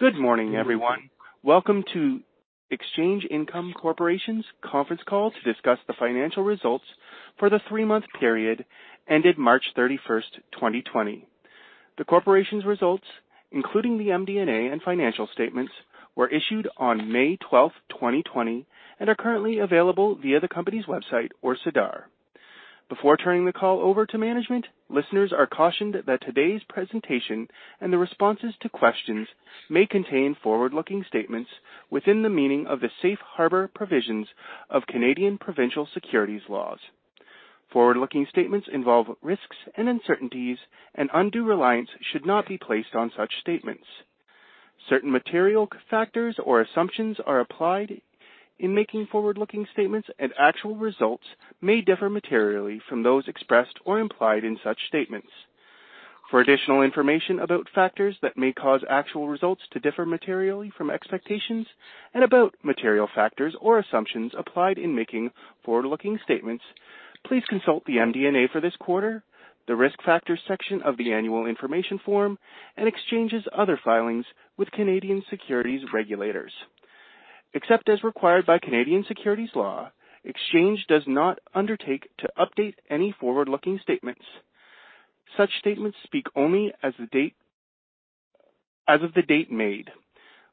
Good morning, everyone. Welcome to Exchange Income Corporation's conference call to discuss the financial results for the three-month period ended March 31st, 2020. The corporation's results, including the MD&A and financial statements, were issued on May 12th, 2020, and are currently available via the company's website or SEDAR. Before turning the call over to management, listeners are cautioned that today's presentation and the responses to questions may contain forward-looking statements within the meaning of the safe harbor provisions of Canadian provincial securities laws. Forward-looking statements involve risks and uncertainties, and undue reliance should not be placed on such statements. Certain material factors or assumptions are applied in making forward-looking statements, and actual results may differ materially from those expressed or implied in such statements. For additional information about factors that may cause actual results to differ materially from expectations and about material factors or assumptions applied in making forward-looking statements, please consult the MD&A for this quarter, the Risk Factors section of the annual information form, and Exchange's other filings with Canadian securities regulators. Except as required by Canadian securities law, Exchange does not undertake to update any forward-looking statements. Such statements speak only as of the date made.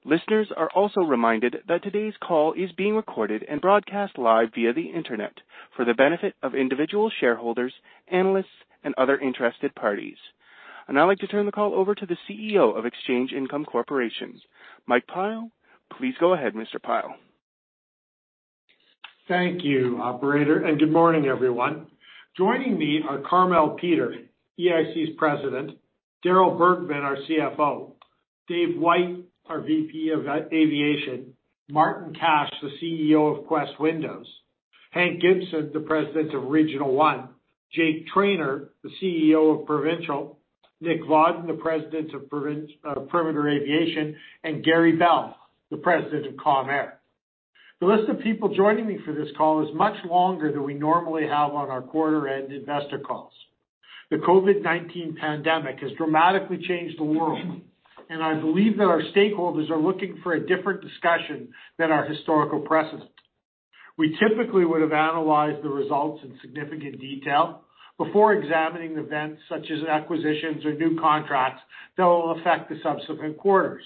Listeners are also reminded that today's call is being recorded and broadcast live via the Internet for the benefit of individual shareholders, analysts, and other interested parties. I'd now like to turn the call over to the CEO of Exchange Income Corporation, Mike Pyle. Please go ahead, Mr. Pyle. Thank you, operator, and good morning, everyone. Joining me are Carmele Peter, Exchange Income Corporation's President, Darryl Bergman, our CFO, Dave White, our VP of Aviation, Martin Cash, the CEO of Quest Windows, Hank Gibson, the President of Regional One, Jake Trainor, the CEO of Provincial, Nick Vodden, the President of Perimeter Aviation, and Gary Bell, the President of Calm Air. The list of people joining me for this call is much longer than we normally have on our quarter-end investor calls. The COVID-19 pandemic has dramatically changed the world, and I believe that our stakeholders are looking for a different discussion than our historical precedent. We typically would have analyzed the results in significant detail before examining events such as acquisitions or new contracts that will affect the subsequent quarters.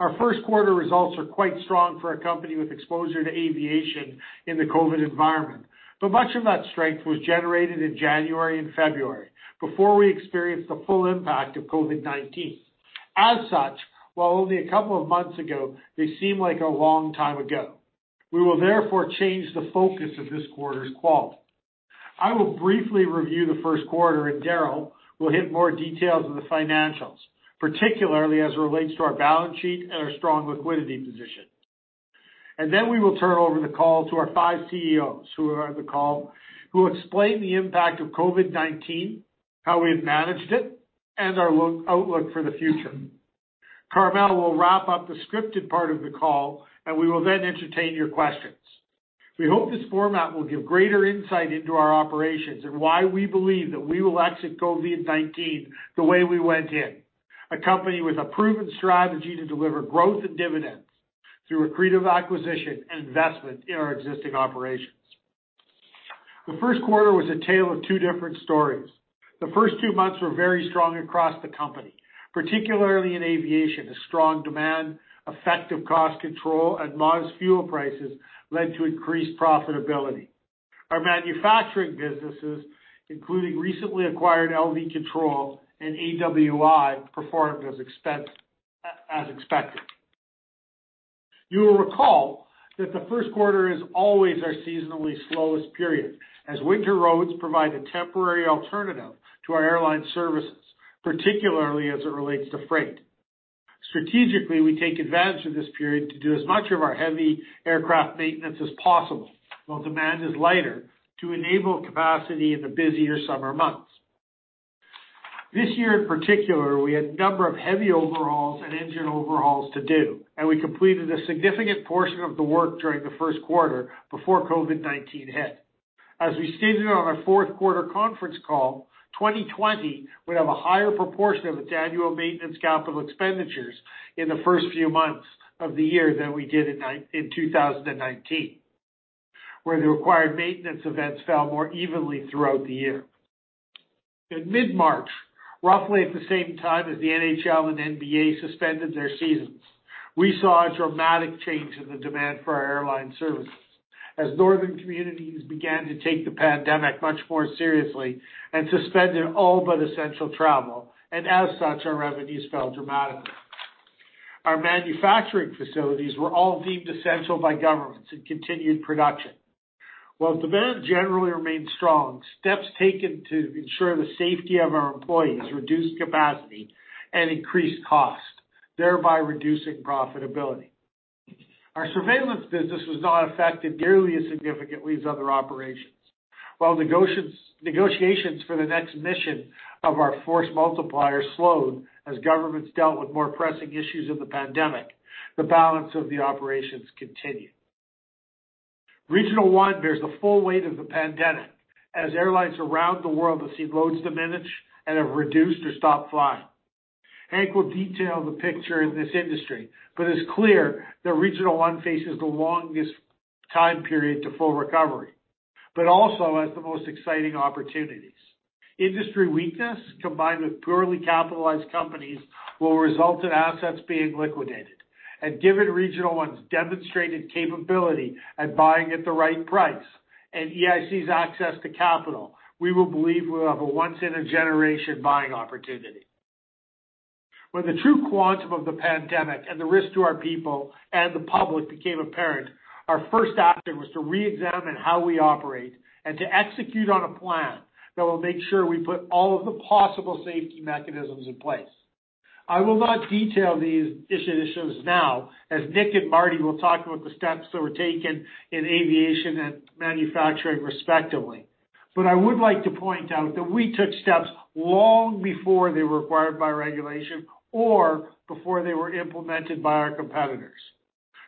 Our first quarter results are quite strong for a company with exposure to aviation in the COVID environment. Much of that strength was generated in January and February before we experienced the full impact of COVID-19. As such, while only a couple of months ago, they seem like a long time ago. We will therefore change the focus of this quarter's call. I will briefly review the first quarter. Darryl will hit more details of the financials, particularly as it relates to our balance sheet and our strong liquidity position. Then we will turn over the call to our five CEOs who are on the call, who explain the impact of COVID-19, how we've managed it, and our outlook for the future. Carmele will wrap up the scripted part of the call. We will then entertain your questions. We hope this format will give greater insight into our operations and why we believe that we will exit COVID-19 the way we went in. A company with a proven strategy to deliver growth and dividends through accretive acquisition and investment in our existing operations. The first quarter was a tale of two different stories. The first two months were very strong across the company, particularly in aviation. The strong demand, effective cost control, and modest fuel prices led to increased profitability. Our manufacturing businesses, including recently acquired LV Control and AWI, performed as expected. You will recall that the first quarter is always our seasonally slowest period, as winter roads provide a temporary alternative to our airline services, particularly as it relates to freight. Strategically, we take advantage of this period to do as much of our heavy aircraft maintenance as possible, while demand is lighter, to enable capacity in the busier summer months. This year in particular, we had a number of heavy overhauls and engine overhauls to do, and we completed a significant portion of the work during the first quarter before COVID-19 hit. As we stated on our fourth quarter conference call, 2020 would have a higher proportion of its annual maintenance capital expenditures in the first few months of the year than we did in 2019, where the required maintenance events fell more evenly throughout the year. In mid-March, roughly at the same time as the NHL and NBA suspended their seasons, we saw a dramatic change in the demand for our airline services as Northern communities began to take the pandemic much more seriously and suspend their all but essential travel, as such, our revenues fell dramatically. Our manufacturing facilities were all deemed essential by governments and continued production. While demand generally remained strong, steps taken to ensure the safety of our employees reduced capacity and increased cost, thereby reducing profitability. Our surveillance business was not affected nearly as significantly as other operations. While negotiations for the next mission of our Force Multiplier slowed as governments dealt with more pressing issues of the pandemic, the balance of the operations continued. Regional One bears the full weight of the pandemic, as airlines around the world have seen loads diminish and have reduced or stopped flying. Hank will detail the picture in this industry, but it's clear that Regional One faces the longest time period to full recovery, but also has the most exciting opportunities. Industry weakness, combined with poorly capitalized companies, will result in assets being liquidated. Given Regional One's demonstrated capability at buying at the right price, and Exchange Income Corporation's access to capital, we will believe we'll have a once-in-a-generation buying opportunity. When the true quantum of the pandemic and the risk to our people and the public became apparent, our first action was to reexamine how we operate and to execute on a plan that will make sure we put all of the possible safety mechanisms in place. I will not detail these initiatives now, as Nick and Martin will talk about the steps that were taken in aviation and manufacturing respectively. I would like to point out that we took steps long before they were required by regulation or before they were implemented by our competitors.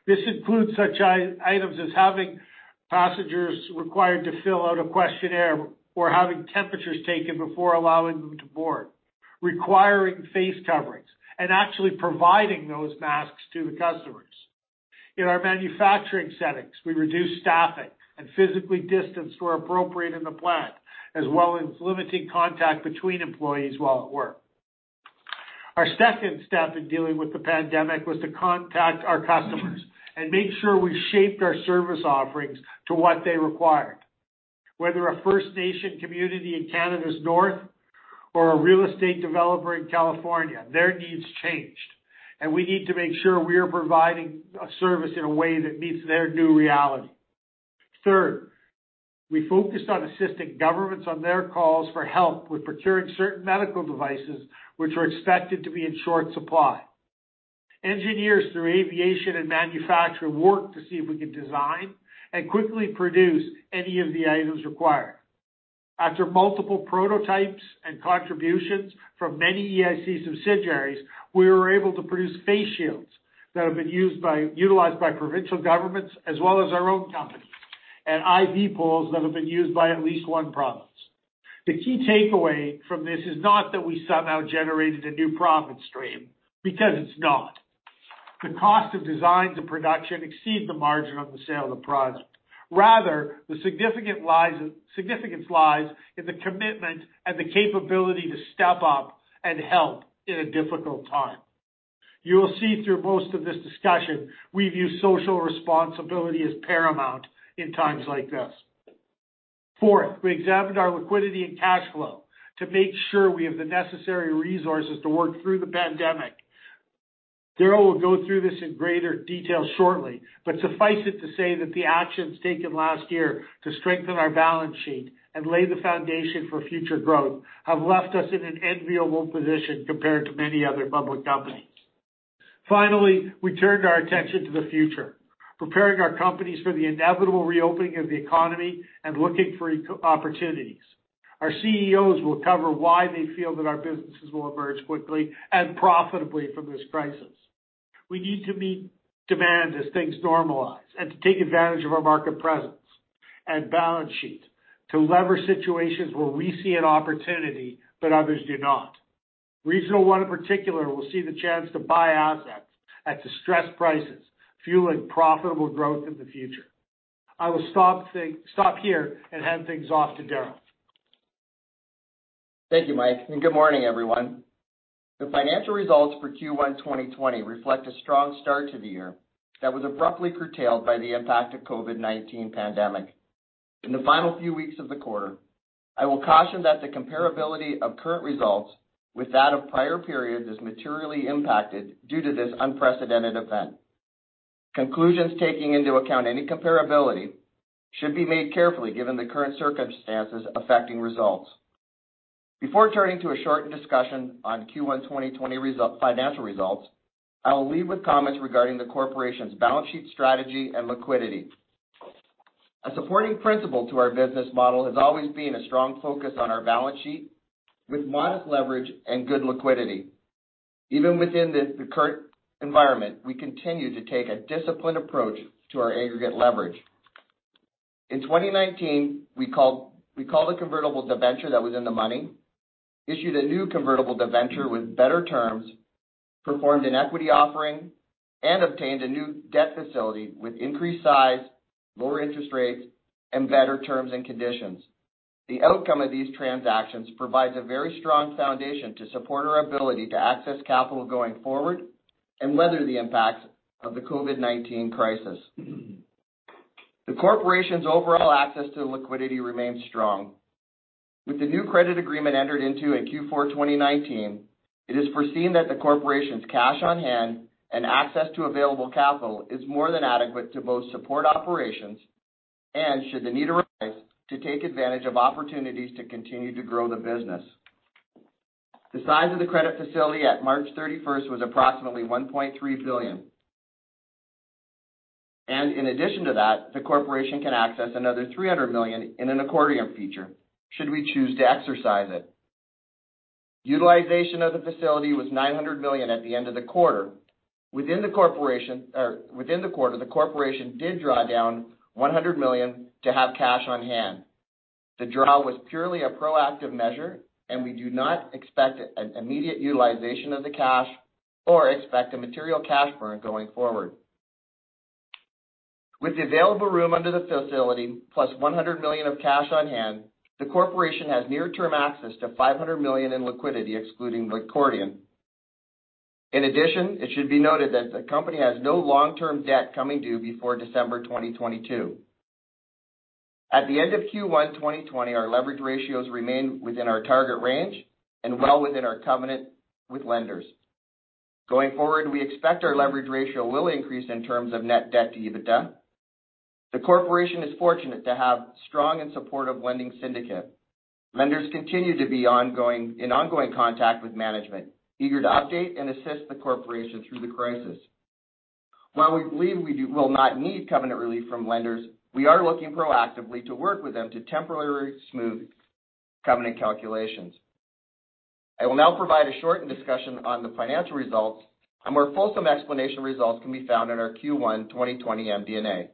This includes such items as having passengers required to fill out a questionnaire or having temperatures taken before allowing them to board. Requiring face coverings, and actually providing those masks to the customers. In our manufacturing settings, we reduced staffing and physically distanced where appropriate in the plant, as well as limiting contact between employees while at work. Our second step in dealing with the pandemic was to contact our customers and make sure we shaped our service offerings to what they required. Whether a First Nation community in Canada's North or a real estate developer in California, their needs changed, and we need to make sure we are providing a service in a way that meets their new reality. Third, we focused on assisting governments on their calls for help with procuring certain medical devices which were expected to be in short supply. Engineers through aviation and manufacturing worked to see if we could design and quickly produce any of the items required. After multiple prototypes and contributions from many Exchange Income Corporation subsidiaries, we were able to produce face shields that have been utilized by provincial governments as well as our own company, and IV poles that have been used by at least one province. The key takeaway from this is not that we somehow generated a new profit stream, because it's not. The cost of design to production exceeds the margin on the sale of the product. The significance lies in the commitment and the capability to step up and help in a difficult time. You will see through most of this discussion, we view social responsibility as paramount in times like this. Fourth, we examined our liquidity and cash flow to make sure we have the necessary resources to work through the pandemic. Darryl will go through this in greater detail shortly, but suffice it to say that the actions taken last year to strengthen our balance sheet and lay the foundation for future growth have left us in an enviable position compared to many other public companies. We turned our attention to the future, preparing our companies for the inevitable reopening of the economy and looking for opportunities. Our CEOs will cover why they feel that our businesses will emerge quickly and profitably from this crisis. We need to meet demand as things normalize and to take advantage of our market presence and balance sheet to lever situations where we see an opportunity but others do not. Regional One in particular will see the chance to buy assets at distressed prices, fueling profitable growth in the future. I will stop here and hand things off to Darryl. Thank you, Mike, and good morning, everyone. The financial results for Q1 2020 reflect a strong start to the year that was abruptly curtailed by the impact of COVID-19 pandemic. In the final few weeks of the quarter, I will caution that the comparability of current results with that of prior periods is materially impacted due to this unprecedented event. Conclusions taking into account any comparability should be made carefully given the current circumstances affecting results. Before turning to a shortened discussion on Q1 2020 financial results, I will lead with comments regarding the corporation's balance sheet strategy and liquidity. A supporting principle to our business model has always been a strong focus on our balance sheet with modest leverage and good liquidity. Even within the current environment, we continue to take a disciplined approach to our aggregate leverage. In 2019, we called a convertible debenture that was in the money, issued a new convertible debenture with better terms, performed an equity offering, and obtained a new debt facility with increased size, lower interest rates, and better terms and conditions. The outcome of these transactions provides a very strong foundation to support our ability to access capital going forward and weather the impact of the COVID-19 crisis. The corporation's overall access to liquidity remains strong. With the new credit agreement entered into in Q4 2019, it is foreseen that the corporation's cash on hand and access to available capital is more than adequate to both support operations, and should the need arise, to take advantage of opportunities to continue to grow the business. The size of the credit facility at March 31st was approximately 1.3 billion. In addition to that, the corporation can access another 300 million in an accordion feature should we choose to exercise it. Utilization of the facility was 900 million at the end of the quarter. Within the quarter, the corporation did draw down 100 million to have cash on hand. The draw was purely a proactive measure, and we do not expect an immediate utilization of the cash or expect a material cash burn going forward. With the available room under the facility, +100 million of cash on hand, the corporation has near-term access to 500 million in liquidity, excluding accordion. In addition, it should be noted that the company has no long-term debt coming due before December 2022. At the end of Q1 2020, our leverage ratios remain within our target range and well within our covenant with lenders. Going forward, we expect our leverage ratio will increase in terms of net debt to EBITDA. The corporation is fortunate to have strong and supportive lending syndicate. Lenders continue to be in ongoing contact with management, eager to update and assist the corporation through the crisis. While we believe we will not need covenant relief from lenders, we are looking proactively to work with them to temporarily smooth covenant calculations. I will now provide a short discussion on the financial results, a more fulsome explanation of results can be found in our Q1 2020 MD&A.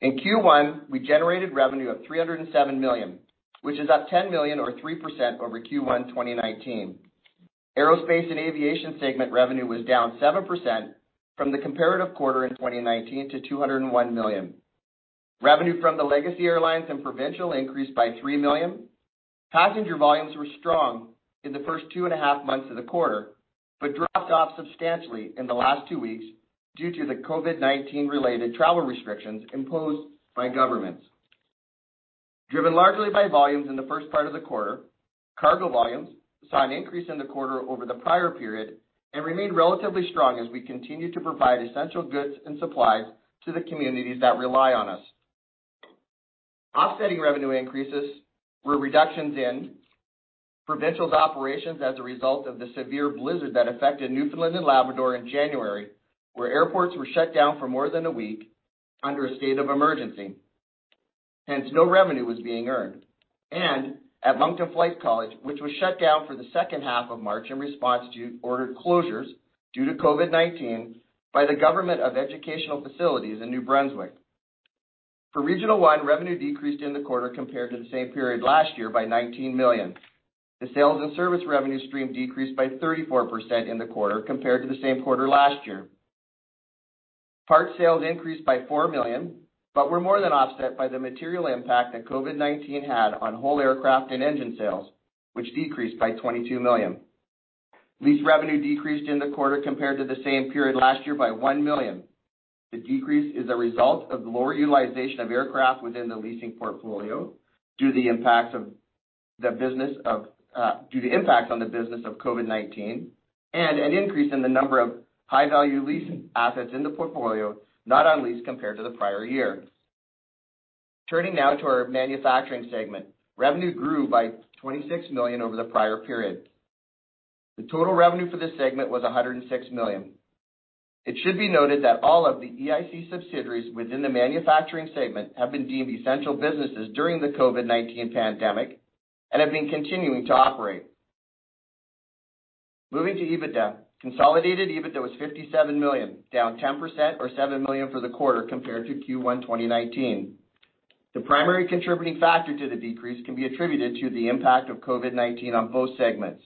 In Q1, we generated revenue of 307 million, which is up 10 million or 3% over Q1 2019. Aerospace and Aviation segment revenue was down 7% from the comparative quarter in 2019 to 201 million. Revenue from the Legacy Airlines and Provincial increased by 3 million. Passenger volumes were strong in the first two and a half months of the quarter, but dropped off substantially in the last two weeks due to the COVID-19 related travel restrictions imposed by governments. Driven largely by volumes in the first part of the quarter, cargo volumes saw an increase in the quarter over the prior period and remained relatively strong as we continued to provide essential goods and supplies to the communities that rely on us. Offsetting revenue increases were reductions in Provincial's operations as a result of the severe blizzard that affected Newfoundland and Labrador in January, where airports were shut down for more than a week under a state of emergency. Hence, no revenue was being earned. At Moncton Flight College, which was shut down for the second half of March in response to ordered closures due to COVID-19 by the government of educational facilities in New Brunswick. For Regional One, revenue decreased in the quarter compared to the same period last year by 19 million. The sales and service revenue stream decreased by 34% in the quarter compared to the same quarter last year. Part sales increased by 4 million, but were more than offset by the material impact that COVID-19 had on whole aircraft and engine sales, which decreased by 22 million. Lease revenue decreased in the quarter compared to the same period last year by 1 million. The decrease is a result of lower utilization of aircraft within the leasing portfolio due to impacts on the business of COVID-19, and an increase in the number of high-value lease assets in the portfolio not on lease compared to the prior year. Turning now to our Manufacturing segment. Revenue grew by 26 million over the prior period. The total revenue for this segment was 106 million. It should be noted that all of the Exchange Income Corporation subsidiaries within the manufacturing segment have been deemed essential businesses during the COVID-19 pandemic and have been continuing to operate. Moving to EBITDA. Consolidated EBITDA was 57 million, down 10% or 7 million for the quarter compared to Q1 2019. The primary contributing factor to the decrease can be attributed to the impact of COVID-19 on both segments.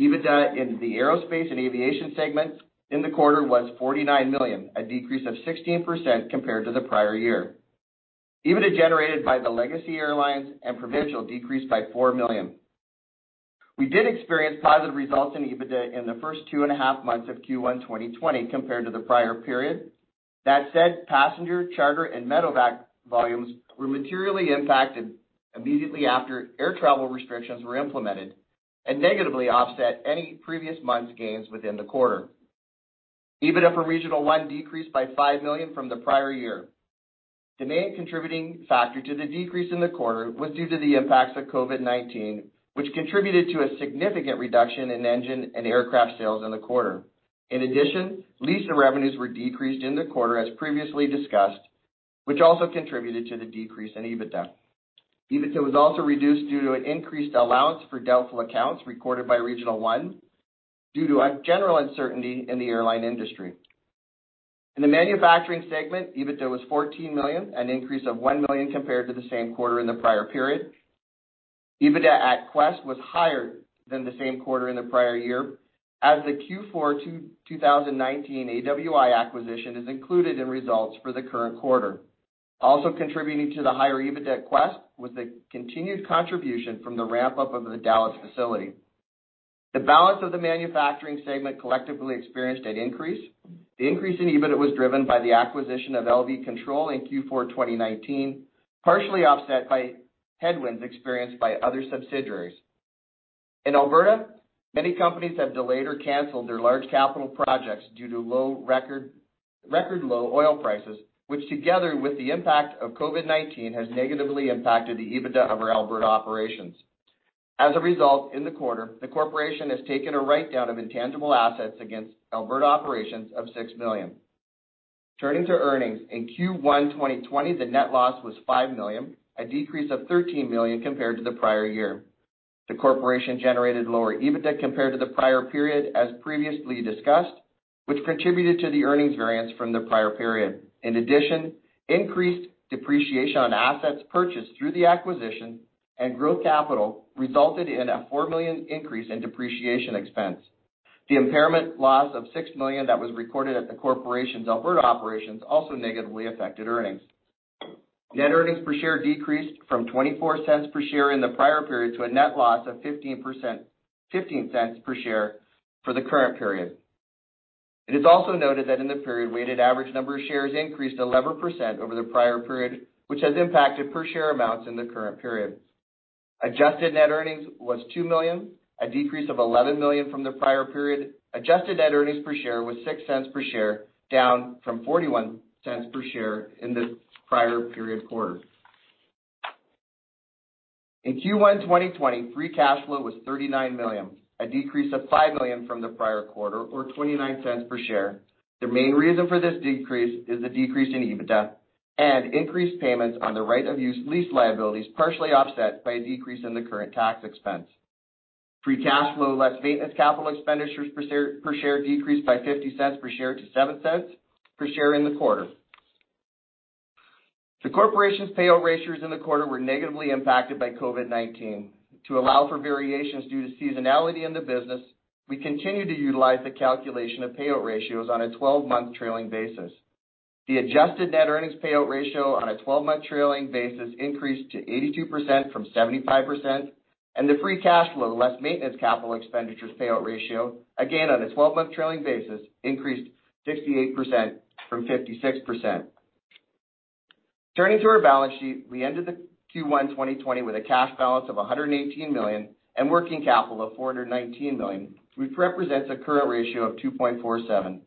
EBITDA in the Aerospace and Aviation segment in the quarter was 49 million, a decrease of 16% compared to the prior year. EBITDA generated by the Legacy Airlines and Provincial decreased by 4 million. We did experience positive results in EBITDA in the first two and a half months of Q1 2020 compared to the prior period. That said, passenger, charter, and medevac volumes were materially impacted immediately after air travel restrictions were implemented and negatively offset any previous months' gains within the quarter. EBITDA for Regional One decreased by 5 million from the prior year. The main contributing factor to the decrease in the quarter was due to the impacts of COVID-19, which contributed to a significant reduction in engine and aircraft sales in the quarter. In addition, leasing revenues were decreased in the quarter as previously discussed, which also contributed to the decrease in EBITDA. EBITDA was also reduced due to an increased allowance for doubtful accounts recorded by Regional One due to a general uncertainty in the airline industry. In the manufacturing segment, EBITDA was 14 million, an increase of 1 million compared to the same quarter in the prior period. EBITDA at Quest was higher than the same quarter in the prior year, as the Q4 2019 AWI acquisition is included in results for the current quarter. Also contributing to the higher EBITDA at Quest was the continued contribution from the ramp-up of the Dallas facility. The balance of the Manufacturing segment collectively experienced an increase. The increase in EBITDA was driven by the acquisition of LV Control in Q4 2019, partially offset by headwinds experienced by other subsidiaries. In Alberta, many companies have delayed or canceled their large capital projects due to record low oil prices, which together with the impact of COVID-19, has negatively impacted the EBITDA of our Alberta operations. As a result, in the quarter, the corporation has taken a write-down of intangible assets against Alberta operations of 6 million. Turning to earnings. In Q1 2020, the net loss was 5 million, a decrease of 13 million compared to the prior year. The corporation generated lower EBITDA compared to the prior period, as previously discussed, which contributed to the earnings variance from the prior period. In addition, increased depreciation on assets purchased through the acquisition and growth capital resulted in a 4 million increase in depreciation expense. The impairment loss of 6 million that was recorded at the corporation's Alberta operations also negatively affected earnings. Net earnings per share decreased from 0.24 per share in the prior period to a net loss of 0.15 per share for the current period. It is also noted that in the period, weighted average number of shares increased 11% over the prior period, which has impacted per share amounts in the current period. Adjusted net earnings was 2 million, a decrease of 11 million from the prior period. Adjusted net earnings per share was 0.06 per share, down from 0.41 per share in the prior period quarter. In Q1 2020, free cash flow was 39 million, a decrease of 5 million from the prior quarter, or 0.29 per share. The main reason for this decrease is the decrease in EBITDA and increased payments on the right-of-use lease liabilities, partially offset by a decrease in the current tax expense. Free cash flow, less maintenance capital expenditures per share decreased by 0.50 per share to 0.07 per share in the quarter. The corporation's payout ratios in the quarter were negatively impacted by COVID-19. To allow for variations due to seasonality in the business, we continue to utilize the calculation of payout ratios on a 12-month trailing basis. The adjusted net earnings payout ratio on a 12-month trailing basis increased to 82% from 75%, and the free cash flow, less maintenance capital expenditures payout ratio, again, on a 12-month trailing basis, increased to 68% from 56%. Turning to our balance sheet, we ended the Q1 2020 with a cash balance of 118 million and working capital of 419 million, which represents a current ratio of 2.47.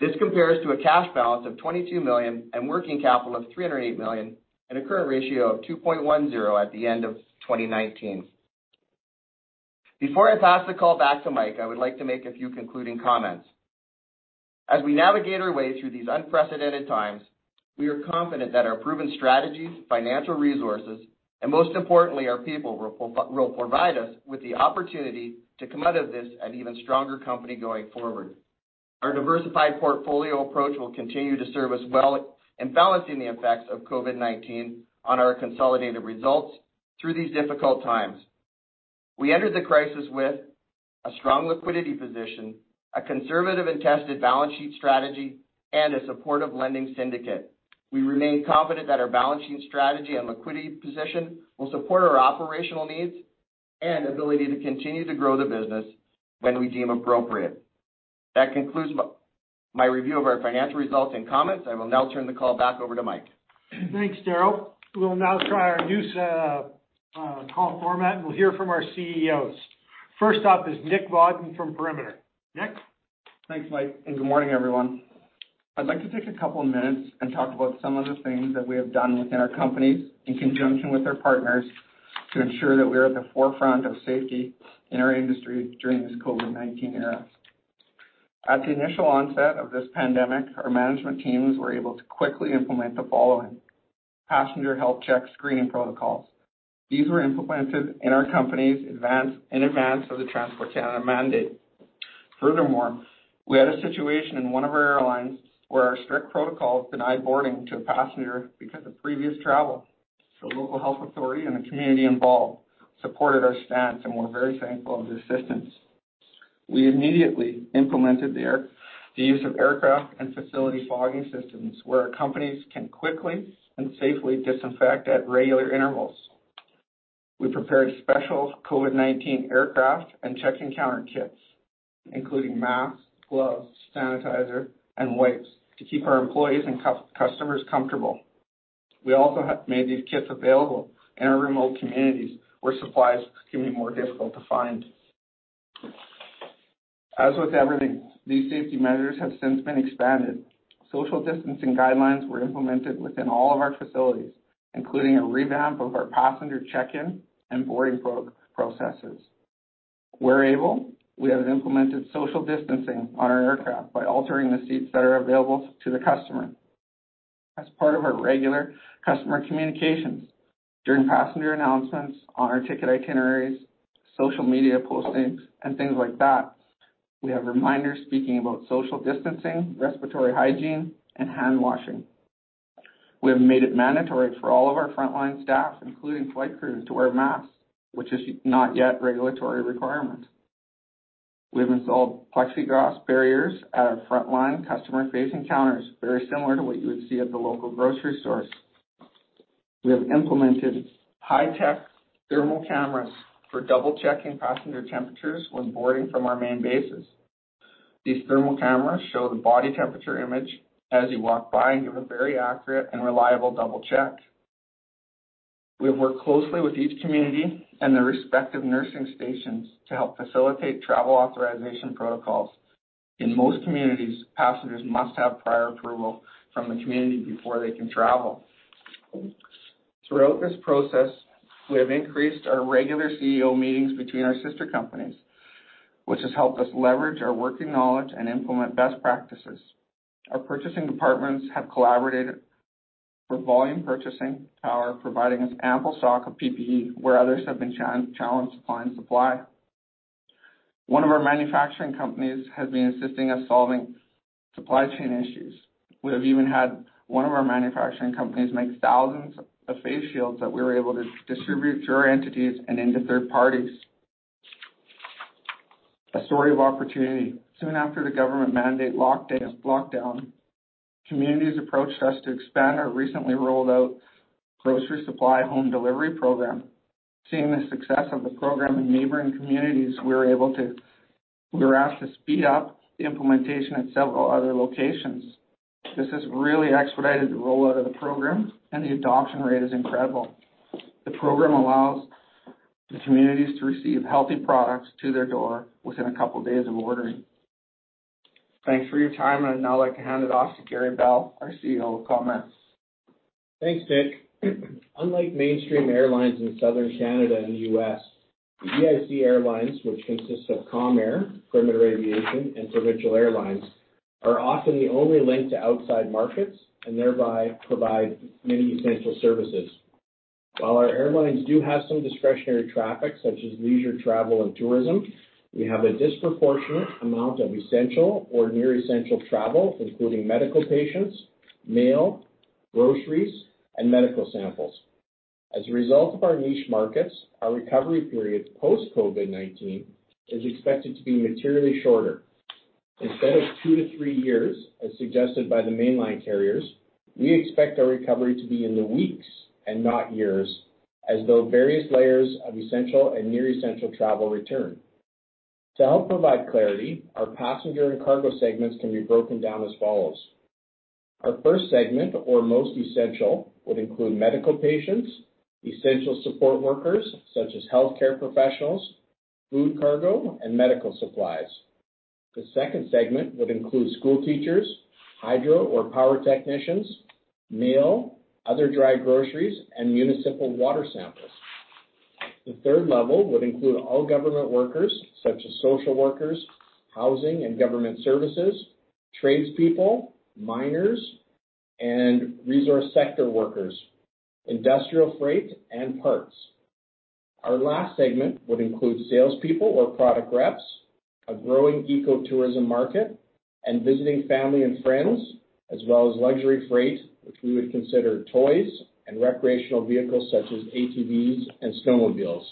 This compares to a cash balance of 22 million and working capital of 308 million, and a current ratio of 2.10 at the end of 2019. Before I pass the call back to Mike, I would like to make a few concluding comments. As we navigate our way through these unprecedented times, we are confident that our proven strategies, financial resources, and most importantly, our people will provide us with the opportunity to come out of this an even stronger company going forward. Our diversified portfolio approach will continue to serve us well in balancing the effects of COVID-19 on our consolidated results through these difficult times. We entered the crisis with a strong liquidity position, a conservative and tested balance sheet strategy, and a supportive lending syndicate. We remain confident that our balance sheet strategy and liquidity position will support our operational needs and ability to continue to grow the business when we deem appropriate. That concludes my review of our financial results and comments. I will now turn the call back over to Mike. Thanks, Darryl. We will now try our new call format. We'll hear from our CEOs. First up is Nick Vodden from Perimeter. Nick? Thanks, Mike. Good morning, everyone. I'd like to take a couple of minutes and talk about some of the things that we have done within our companies in conjunction with our partners to ensure that we are at the forefront of safety in our industry during this COVID-19 era. At the initial onset of this pandemic, our management teams were able to quickly implement the following passenger health check screening protocols. These were implemented in our companies in advance of the Transport Canada mandate. We had a situation in one of our airlines where our strict protocols denied boarding to a passenger because of previous travel. The local health authority and the community involved supported our stance, and we're very thankful of the assistance. We immediately implemented the use of aircraft and facility fogging systems, where our companies can quickly and safely disinfect at regular intervals. We prepared special COVID-19 aircraft and check-in counter kits, including masks, gloves, sanitizer, and wipes to keep our employees and customers comfortable. We also have made these kits available in our remote communities where supplies can be more difficult to find. As with everything, these safety measures have since been expanded. Social distancing guidelines were implemented within all of our facilities, including a revamp of our passenger check-in and boarding processes. Where able, we have implemented social distancing on our aircraft by altering the seats that are available to the customer. As part of our regular customer communications during passenger announcements on our ticket itineraries, social media postings, and things like that, we have reminders speaking about social distancing, respiratory hygiene, and handwashing. We have made it mandatory for all of our frontline staff, including flight crews, to wear masks, which is not yet a regulatory requirement. We have installed PLEXIGLAS barriers at our frontline customer-facing counters, very similar to what you would see at the local grocery stores. We have implemented high-tech thermal cameras for double-checking passenger temperatures when boarding from our main bases. These thermal cameras show the body temperature image as you walk by and give a very accurate and reliable double check. We have worked closely with each community and their respective nursing stations to help facilitate travel authorization protocols. In most communities, passengers must have prior approval from the community before they can travel. Throughout this process, we have increased our regular CEO meetings between our sister companies, which has helped us leverage our working knowledge and implement best practices. Our purchasing departments have collaborated for volume purchasing power, providing us ample stock of PPE, where others have been challenged to find supply. One of our manufacturing companies has been assisting us solving supply chain issues. We have even had one of our manufacturing companies make 1,000s of face shields that we were able to distribute to our entities and into third parties. A story of opportunity. Soon after the government mandate lockdown, communities approached us to expand our recently rolled out grocery supply home delivery program. Seeing the success of the program in neighboring communities, we were asked to speed up the implementation at several other locations. This has really expedited the rollout of the program, and the adoption rate is incredible. The program allows the communities to receive healthy products to their door within a couple of days of ordering. Thanks for your time. I'd now like to hand it off to Gary Bell, our CEO, with comments. Thanks, Nick. Unlike mainstream airlines in southern Canada and the U.S., the Exchange Income Corporation Airlines, which consists of Calm Air, Perimeter Aviation, and Provincial Airlines, are often the only link to outside markets and thereby provide many essential services. While our airlines do have some discretionary traffic such as leisure, travel, and tourism, we have a disproportionate amount of essential or near essential travel, including medical patients, mail, groceries, and medical samples. As a result of our niche markets, our recovery period post COVID-19 is expected to be materially shorter. Instead of two to three years, as suggested by the mainline carriers, we expect our recovery to be in the weeks and not years, as the various layers of essential and near essential travel return. To help provide clarity, our passenger and cargo segments can be broken down as follows. Our first segment, or most essential, would include medical patients, essential support workers such as healthcare professionals, food cargo, and medical supplies. The second segment would include school teachers, hydro or power technicians, mail, other dry groceries, and municipal water samples. The third level would include all government workers, such as social workers, housing and government services, tradespeople, miners, and resource sector workers, industrial freight, and parts. Our last segment would include salespeople or product reps, a growing ecotourism market, and visiting family and friends, as well as luxury freight, which we would consider toys and recreational vehicles such as ATVs and snowmobiles.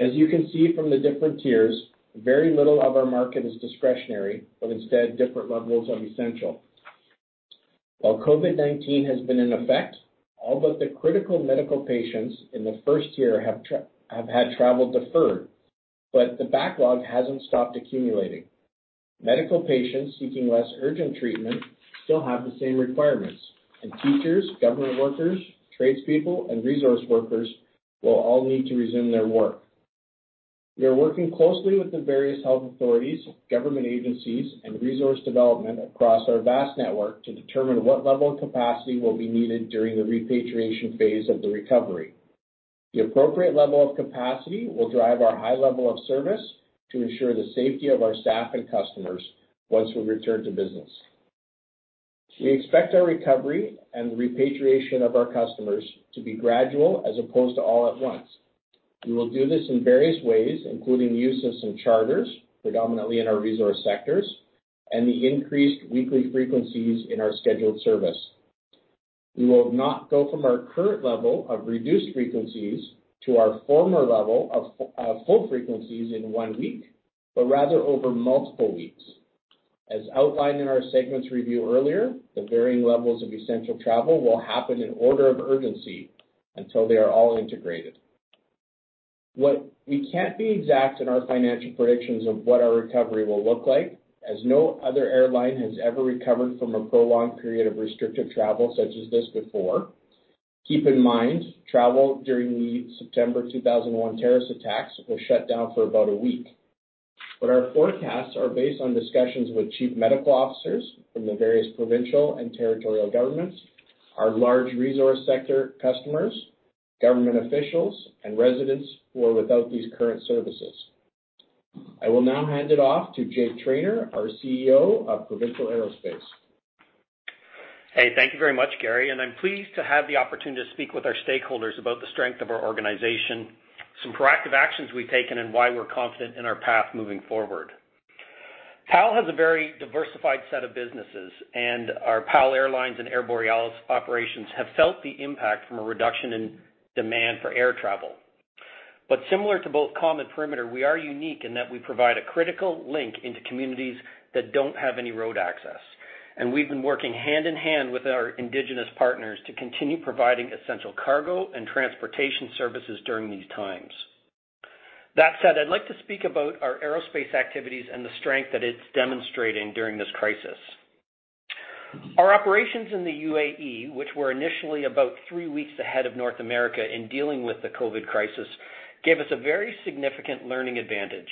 As you can see from the different tiers, very little of our market is discretionary, but instead different levels of essential. While COVID-19 has been in effect, all but the critical medical patients in the first tier have had travel deferred, but the backlog hasn't stopped accumulating. Medical patients seeking less urgent treatment still have the same requirements. Teachers, government workers, tradespeople, and resource workers will all need to resume their work. We are working closely with the various health authorities, government agencies, and resource development across our vast network to determine what level of capacity will be needed during the repatriation phase of the recovery. The appropriate level of capacity will drive our high level of service to ensure the safety of our staff and customers once we return to business. We expect our recovery and the repatriation of our customers to be gradual as opposed to all at once. We will do this in various ways, including use of some charters, predominantly in our resource sectors, and the increased weekly frequencies in our scheduled service. We will not go from our current level of reduced frequencies to our former level of full frequencies in one week, but rather over multiple weeks. As outlined in our segments review earlier, the varying levels of essential travel will happen in order of urgency until they are all integrated. We can't be exact in our financial predictions of what our recovery will look like, as no other airline has ever recovered from a prolonged period of restrictive travel such as this before. Keep in mind, travel during the September 2001 terrorist attacks was shut down for about a week. Our forecasts are based on discussions with chief medical officers from the various provincial and territorial governments, our large resource sector customers, government officials, and residents who are without these current services. I will now hand it off to Jake Trainor, our CEO of Provincial Aerospace. Thank you very much, Gary, I'm pleased to have the opportunity to speak with our stakeholders about the strength of our organization, some proactive actions we've taken, and why we're confident in our path moving forward. PAL has a very diversified set of businesses, our PAL Airlines and Air Borealis operations have felt the impact from a reduction in demand for air travel. Similar to both Calm and Perimeter, we are unique in that we provide a critical link into communities that don't have any road access, and we've been working hand in hand with our Indigenous partners to continue providing essential cargo and transportation services during these times. That said, I'd like to speak about our aerospace activities and the strength that it's demonstrating during this crisis. Our operations in the UAE, which were initially about three weeks ahead of North America in dealing with the COVID crisis, gave us a very significant learning advantage.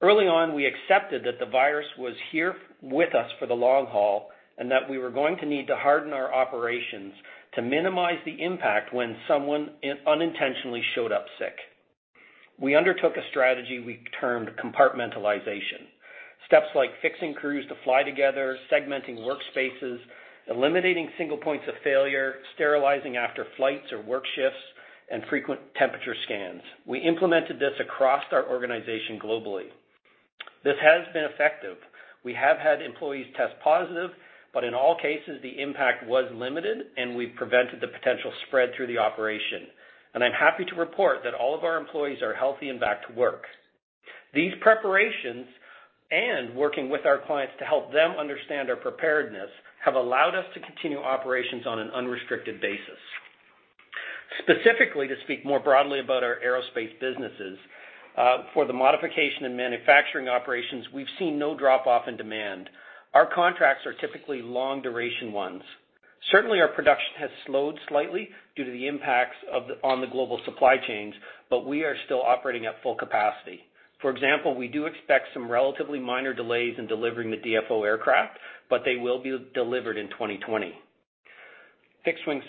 Early on, we accepted that the virus was here with us for the long haul, and that we were going to need to harden our operations to minimize the impact when someone unintentionally showed up sick. We undertook a strategy we termed compartmentalization. Steps like fixing crews to fly together, segmenting workspaces, eliminating single points of failure, sterilizing after flights or work shifts, and frequent temperature scans. We implemented this across our organization globally. This has been effective. We have had employees test positive, but in all cases, the impact was limited, and we prevented the potential spread through the operation. I'm happy to report that all of our employees are healthy and back to work. These preparations and working with our clients to help them understand our preparedness, have allowed us to continue operations on an unrestricted basis. To speak more broadly about our aerospace businesses, for the modification and manufacturing operations, we've seen no drop-off in demand. Our contracts are typically long-duration ones. Our production has slowed slightly due to the impacts on the global supply chains, but we are still operating at full capacity. We do expect some relatively minor delays in delivering the DFO aircraft, but they will be delivered in 2020. Fixed wing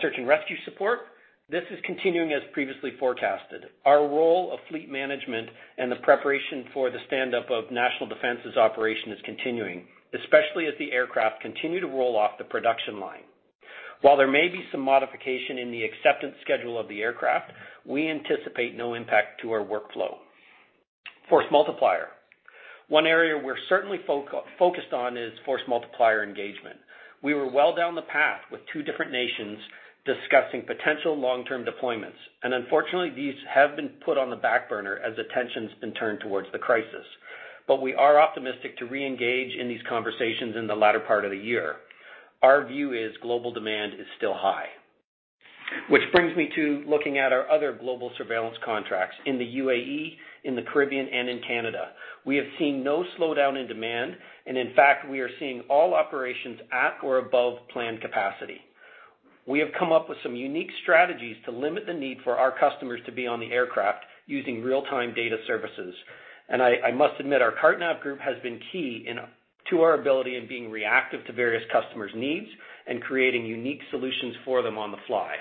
search and rescue support, this is continuing as previously forecasted. Our role of fleet management and the preparation for the standup of National Defense's operation is continuing, especially as the aircraft continue to roll off the production line. While there may be some modification in the acceptance schedule of the aircraft, we anticipate no impact to our workflow. Force Multiplier. One area we're certainly focused on is Force Multiplier engagement. We were well down the path with two different nations discussing potential long-term deployments. Unfortunately, these have been put on the back burner as attention's been turned towards the crisis. We are optimistic to reengage in these conversations in the latter part of the year. Our view is global demand is still high. Which brings me to looking at our other global surveillance contracts in the UAE, in the Caribbean, and in Canada. We have seen no slowdown in demand, and in fact, we are seeing all operations at or above planned capacity. We have come up with some unique strategies to limit the need for our customers to be on the aircraft using real-time data services. I must admit, our CarteNav group has been key to our ability in being reactive to various customers' needs and creating unique solutions for them on the fly.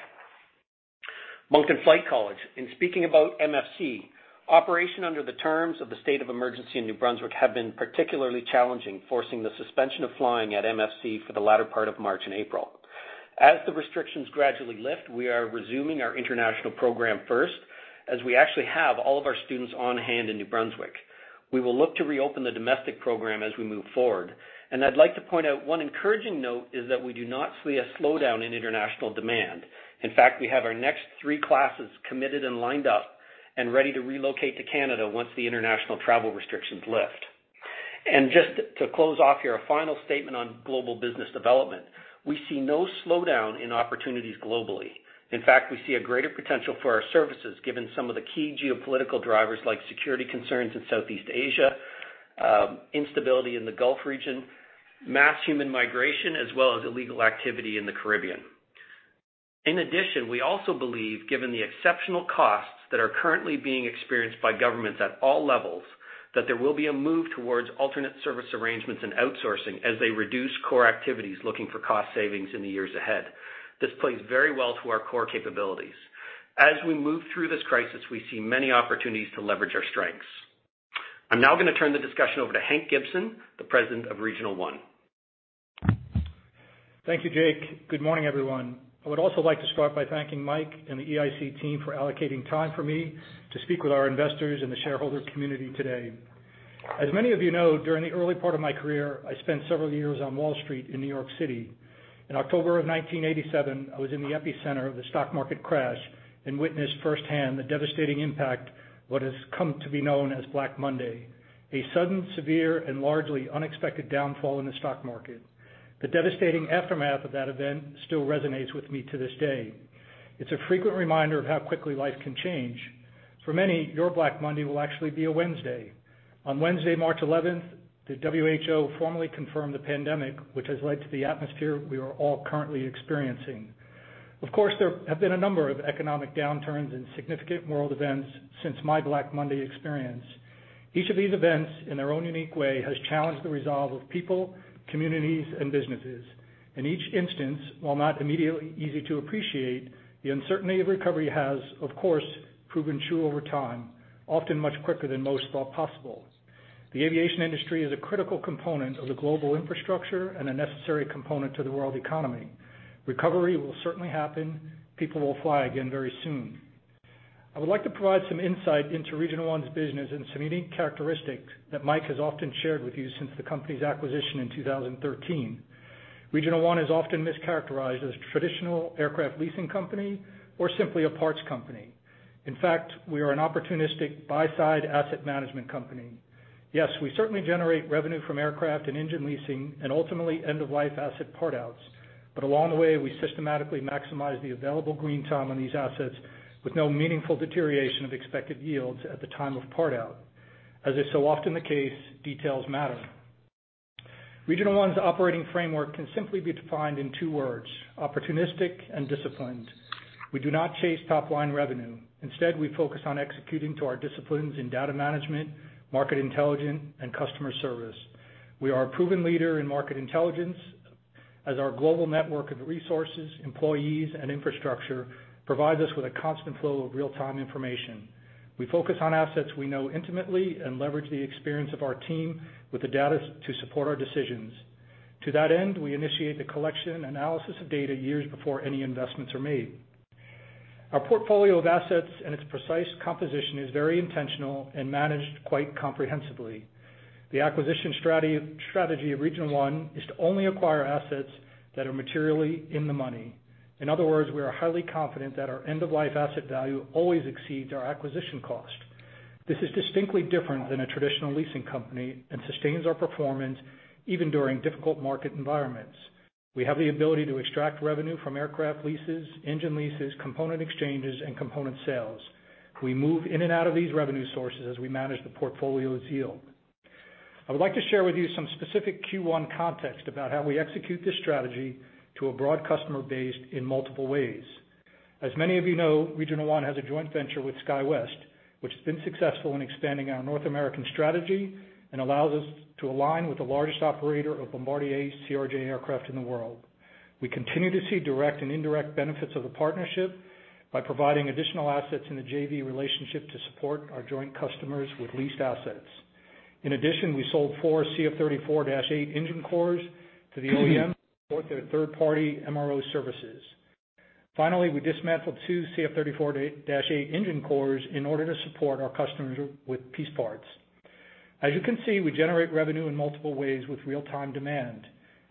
Moncton Flight College. In speaking about MFC, operation under the terms of the state of emergency in New Brunswick have been particularly challenging, forcing the suspension of flying at MFC for the latter part of March and April. As the restrictions gradually lift, we are resuming our international program first, as we actually have all of our students on hand in New Brunswick. We will look to reopen the domestic program as we move forward. I'd like to point out one encouraging note is that we do not see a slowdown in international demand. In fact, we have our next three classes committed and lined up and ready to relocate to Canada once the international travel restrictions lift. Just to close off here, a final statement on global business development. We see no slowdown in opportunities globally. In fact, we see a greater potential for our services, given some of the key geopolitical drivers like security concerns in Southeast Asia, instability in the Gulf region, mass human migration, as well as illegal activity in the Caribbean. In addition, we also believe, given the exceptional costs that are currently being experienced by governments at all levels, that there will be a move towards alternate service arrangements and outsourcing as they reduce core activities looking for cost savings in the years ahead. This plays very well to our core capabilities. As we move through this crisis, we see many opportunities to leverage our strengths. I'm now going to turn the discussion over to Hank Gibson, the President of Regional One. Thank you, Jake. Good morning, everyone. I would also like to start by thanking Mike and the Exchange Income Corporation team for allocating time for me to speak with our investors and the shareholder community today. As many of you know, during the early part of my career, I spent several years on Wall Street in New York City. In October of 1987, I was in the epicenter of the stock market crash and witnessed firsthand the devastating impact of what has come to be known as Black Monday, a sudden, severe, and largely unexpected downfall in the stock market. The devastating aftermath of that event still resonates with me to this day. It's a frequent reminder of how quickly life can change. For many, your Black Monday will actually be a Wednesday. On Wednesday, March 11th, the WHO formally confirmed the pandemic, which has led to the atmosphere we are all currently experiencing. Of course, there have been a number of economic downturns and significant world events since my Black Monday experience. Each of these events, in their own unique way, has challenged the resolve of people, communities, and businesses. In each instance, while not immediately easy to appreciate, the uncertainty of recovery has, of course, proven true over time, often much quicker than most thought possible. The aviation industry is a critical component of the global infrastructure and a necessary component to the world economy. Recovery will certainly happen. People will fly again very soon. I would like to provide some insight into Regional One's business and some unique characteristics that Mike has often shared with you since the company's acquisition in 2013. Regional One is often mischaracterized as a traditional aircraft leasing company or simply a parts company. In fact, we are an opportunistic buy-side asset management company. Yes, we certainly generate revenue from aircraft and engine leasing and ultimately end-of-life asset part-outs, but along the way, we systematically maximize the available green time on these assets with no meaningful deterioration of expected yields at the time of part-out. As is so often the case, details matter. Regional One's operating framework can simply be defined in two words, opportunistic and disciplined. We do not chase top-line revenue. Instead, we focus on executing to our disciplines in data management, market intelligence, and customer service. We are a proven leader in market intelligence as our global network of resources, employees, and infrastructure provide us with a constant flow of real-time information. We focus on assets we know intimately and leverage the experience of our team with the data to support our decisions. To that end, we initiate the collection analysis of data years before any investments are made. Our portfolio of assets and its precise composition is very intentional and managed quite comprehensively. The acquisition strategy of Regional One is to only acquire assets that are materially in the money. In other words, we are highly confident that our end-of-life asset value always exceeds our acquisition cost. This is distinctly different than a traditional leasing company and sustains our performance even during difficult market environments. We have the ability to extract revenue from aircraft leases, engine leases, component exchanges, and component sales. We move in and out of these revenue sources as we manage the portfolio's yield. I would like to share with you some specific Q1 context about how we execute this strategy to a broad customer base in multiple ways. As many of you know, Regional One has a joint venture with SkyWest, which has been successful in expanding our North American strategy and allows us to align with the largest operator of Bombardier CRJ aircraft in the world. We continue to see direct and indirect benefits of the partnership by providing additional assets in the JV relationship to support our joint customers with leased assets. In addition, we sold four CF34-8 engine cores to the OEM to support their third-party MRO services. Finally, we dismantled two CF34-8 engine cores in order to support our customers with piece parts. As you can see, we generate revenue in multiple ways with real-time demand.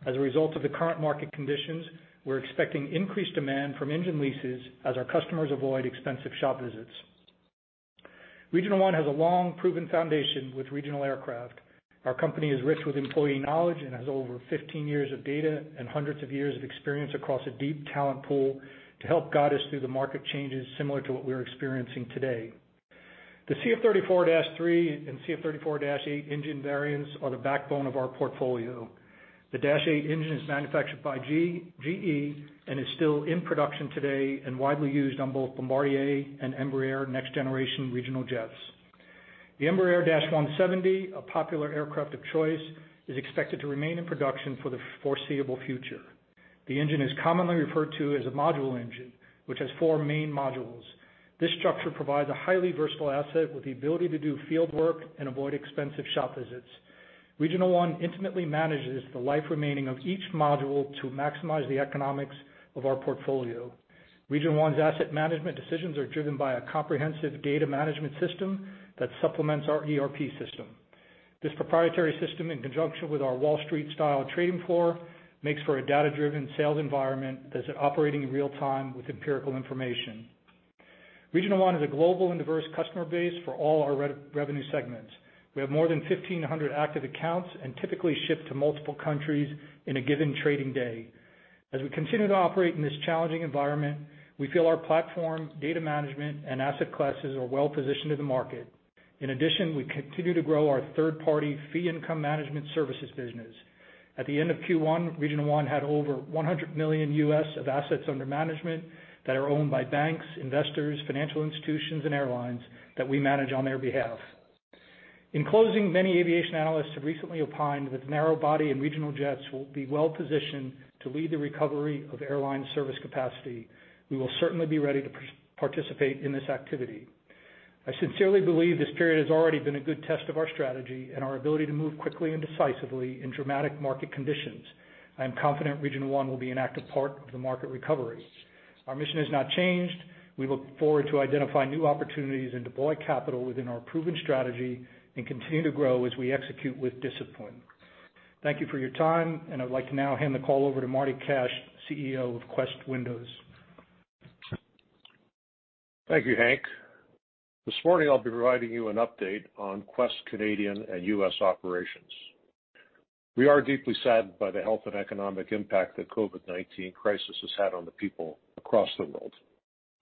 As a result of the current market conditions, we're expecting increased demand from engine leases as our customers avoid expensive shop visits. Regional One has a long-proven foundation with regional aircraft. Our company is rich with employee knowledge and has over 15 years of data and 100s of years of experience across a deep talent pool to help guide us through the market changes similar to what we're experiencing today. The CF34-3 and CF34-8 engine variants are the backbone of our portfolio. The Dash 8 engine is manufactured by GE and is still in production today and widely used on both Bombardier and Embraer next generation regional jets. The Embraer 170, a popular aircraft of choice, is expected to remain in production for the foreseeable future. The engine is commonly referred to as a module engine, which has four main modules. This structure provides a highly versatile asset with the ability to do field work and avoid expensive shop visits. Regional One intimately manages the life remaining of each module to maximize the economics of our portfolio. Regional One's asset management decisions are driven by a comprehensive data management system that supplements our ERP system. This proprietary system, in conjunction with our Wall Street style trading floor, makes for a data-driven sales environment that's operating in real time with empirical information. Regional One has a global and diverse customer base for all our revenue segments. We have more than 1,500 active accounts and typically ship to multiple countries in a given trading day. As we continue to operate in this challenging environment, we feel our platform, data management, and asset classes are well positioned to the market. In addition, we continue to grow our third-party fee income management services business. At the end of Q1, Regional One had over $100 million of assets under management that are owned by banks, investors, financial institutions, and airlines that we manage on their behalf. In closing, many aviation analysts have recently opined that narrow body and regional jets will be well positioned to lead the recovery of airline service capacity. We will certainly be ready to participate in this activity. I sincerely believe this period has already been a good test of our strategy and our ability to move quickly and decisively in dramatic market conditions. I am confident Regional One will be an active part of the market recovery. Our mission has not changed. We look forward to identifying new opportunities and deploy capital within our proven strategy and continue to grow as we execute with discipline. Thank you for your time, and I'd like to now hand the call over to Martin Cash, CEO of Quest Window Systems. Thank you, Hank. This morning, I'll be providing you an update on Quest Canadian and US operations. We are deeply saddened by the health and economic impact the COVID-19 crisis has had on the people across the world.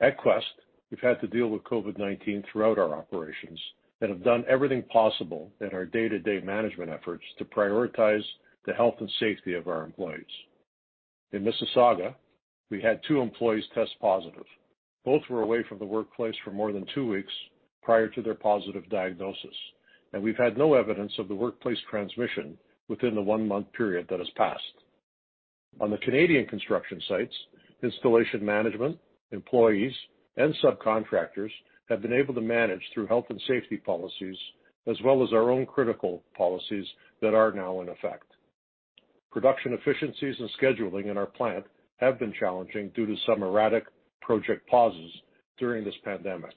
At Quest, we've had to deal with COVID-19 throughout our operations and have done everything possible in our day-to-day management efforts to prioritize the health and safety of our employees. In Mississauga, we had two employees test positive. Both were away from the workplace for more than two weeks prior to their positive diagnosis. We've had no evidence of the workplace transmission within the one-month period that has passed. On the Canadian construction sites, installation management, employees, and subcontractors have been able to manage through health and safety policies, as well as our own critical policies that are now in effect. Production efficiencies and scheduling in our plant have been challenging due to some erratic project pauses during this pandemic.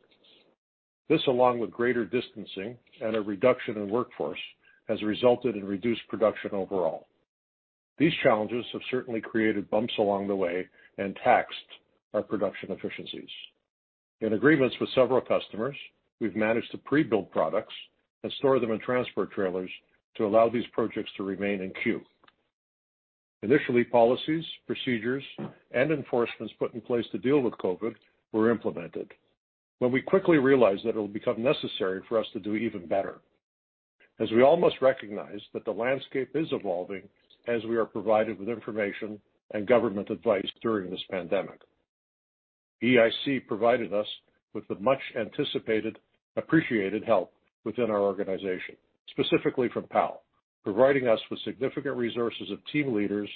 This, along with greater distancing and a reduction in workforce, has resulted in reduced production overall. These challenges have certainly created bumps along the way and taxed our production efficiencies. In agreements with several customers, we've managed to pre-build products and store them in transport trailers to allow these projects to remain in queue. Initially, policies, procedures, and enforcements put in place to deal with COVID were implemented, when we quickly realized that it'll become necessary for us to do even better. As we all must recognize that the landscape is evolving as we are provided with information and government advice during this pandemic. Exchange Income Corporation provided us with the much anticipated, appreciated help within our organization, specifically from PAL, providing us with significant resources of team leaders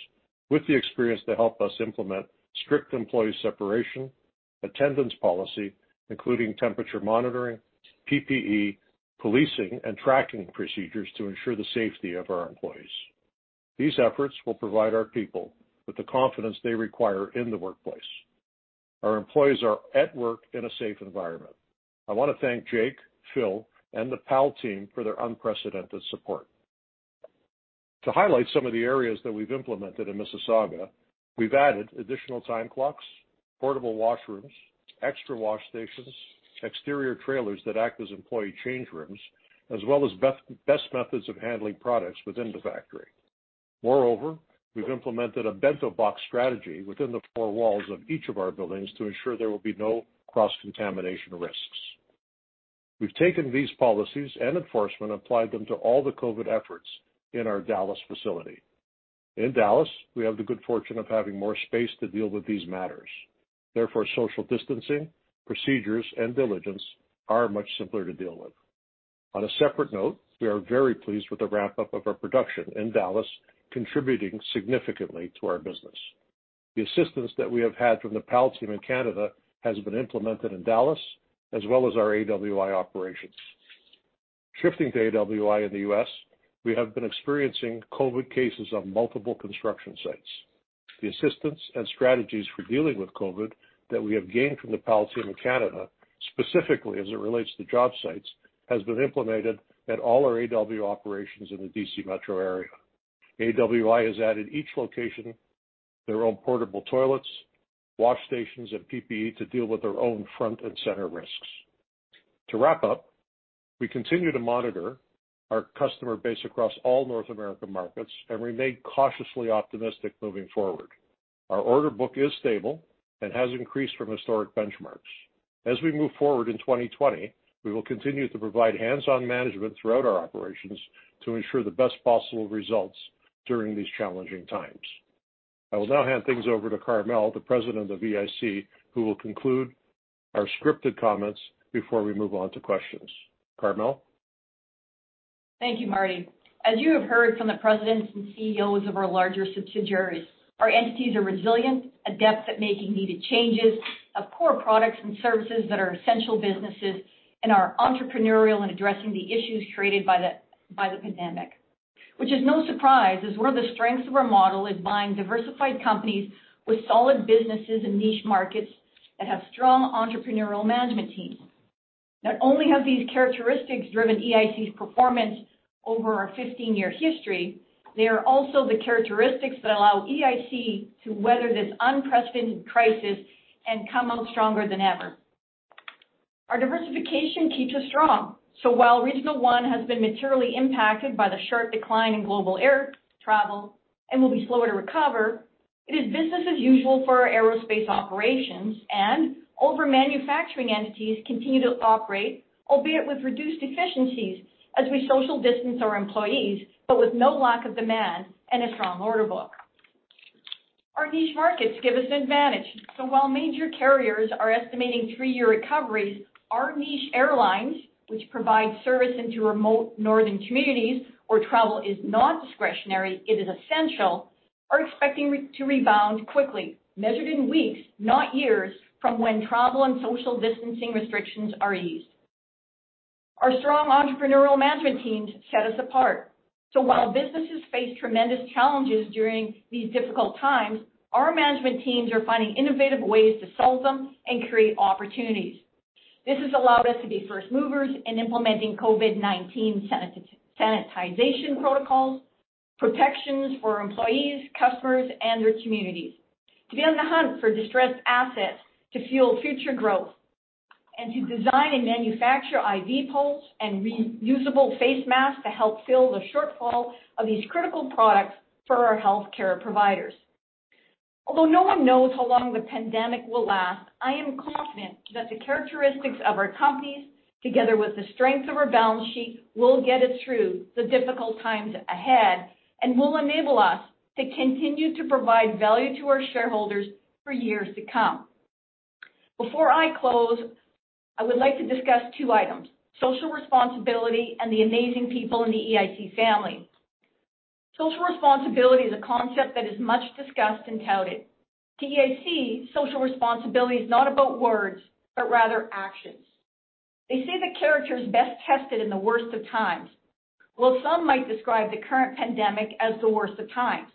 with the experience to help us implement strict employee separation, attendance policy, including temperature monitoring, PPE, policing, and tracking procedures to ensure the safety of our employees. These efforts will provide our people with the confidence they require in the workplace. Our employees are at work in a safe environment. I want to thank Jake, Phil, and the PAL team for their unprecedented support. To highlight some of the areas that we've implemented in Mississauga, we've added additional time clocks, portable washrooms, extra wash stations, exterior trailers that act as employee change rooms, as well as best methods of handling products within the factory. Moreover, we've implemented a bento box strategy within the four walls of each of our buildings to ensure there will be no cross-contamination risks. We've taken these policies and enforcement and applied them to all the COVID efforts in our Dallas facility. In Dallas, we have the good fortune of having more space to deal with these matters. Therefore, social distancing, procedures, and diligence are much simpler to deal with. On a separate note, we are very pleased with the ramp-up of our production in Dallas, contributing significantly to our business. The assistance that we have had from the PAL team in Canada has been implemented in Dallas, as well as our AWI operations. Shifting to AWI in the U.S., we have been experiencing COVID cases on multiple construction sites. The assistance and strategies for dealing with COVID that we have gained from the PAL team in Canada, specifically as it relates to job sites, has been implemented at all our AWI operations in the D.C. metro area. AWI has added each location, their own portable toilets, wash stations, and PPE to deal with their own front and center risks. To wrap up, we continue to monitor our customer base across all North American markets and remain cautiously optimistic moving forward. Our order book is stable and has increased from historic benchmarks. As we move forward in 2020, we will continue to provide hands-on management throughout our operations to ensure the best possible results during these challenging times. I will now hand things over to Carmele, the President of Exchange Income Corporation, who will conclude our scripted comments before we move on to questions. Carmele? Thank you, Martin. As you have heard from the presidents and CEOs of our larger subsidiaries, our entities are resilient, adept at making needed changes, have core products and services that are essential businesses, and are entrepreneurial in addressing the issues created by the pandemic. Which is no surprise, as one of the strengths of our model is buying diversified companies with solid businesses and niche markets that have strong entrepreneurial management teams. Not only have these characteristics driven Exchange Income Corporation's performance over our 15-year history, they are also the characteristics that allow Exchange Income Corporation to weather this unprecedented crisis and come out stronger than ever. Our diversification keeps us strong. While Regional One has been materially impacted by the sharp decline in global air travel and will be slower to recover, it is business as usual for our aerospace operations, and all of our manufacturing entities continue to operate, albeit with reduced efficiencies as we social distance our employees, but with no lack of demand and a strong order book. Our niche markets give us an advantage. While major carriers are estimating three-year recoveries, our niche airlines, which provide service into remote northern communities where travel is not discretionary, it is essential, are expecting to rebound quickly, measured in weeks, not years, from when travel and social distancing restrictions are eased. Our strong entrepreneurial management teams set us apart. While businesses face tremendous challenges during these difficult times, our management teams are finding innovative ways to solve them and create opportunities. This has allowed us to be first movers in implementing COVID-19 sanitization protocols, protections for employees, customers, and their communities, to be on the hunt for distressed assets to fuel future growth, and to design and manufacture IV poles and reusable face masks to help fill the shortfall of these critical products for our healthcare providers. Although no one knows how long the pandemic will last, I am confident that the characteristics of our companies, together with the strength of our balance sheet, will get us through the difficult times ahead and will enable us to continue to provide value to our shareholders for years to come. Before I close, I would like to discuss two items, social responsibility and the amazing people in the Exchange Income Corporation family. Social responsibility is a concept that is much discussed and touted. To Exchange Income Corporation, social responsibility is not about words, but rather actions. They say that character is best tested in the worst of times. Well, some might describe the current pandemic as the worst of times.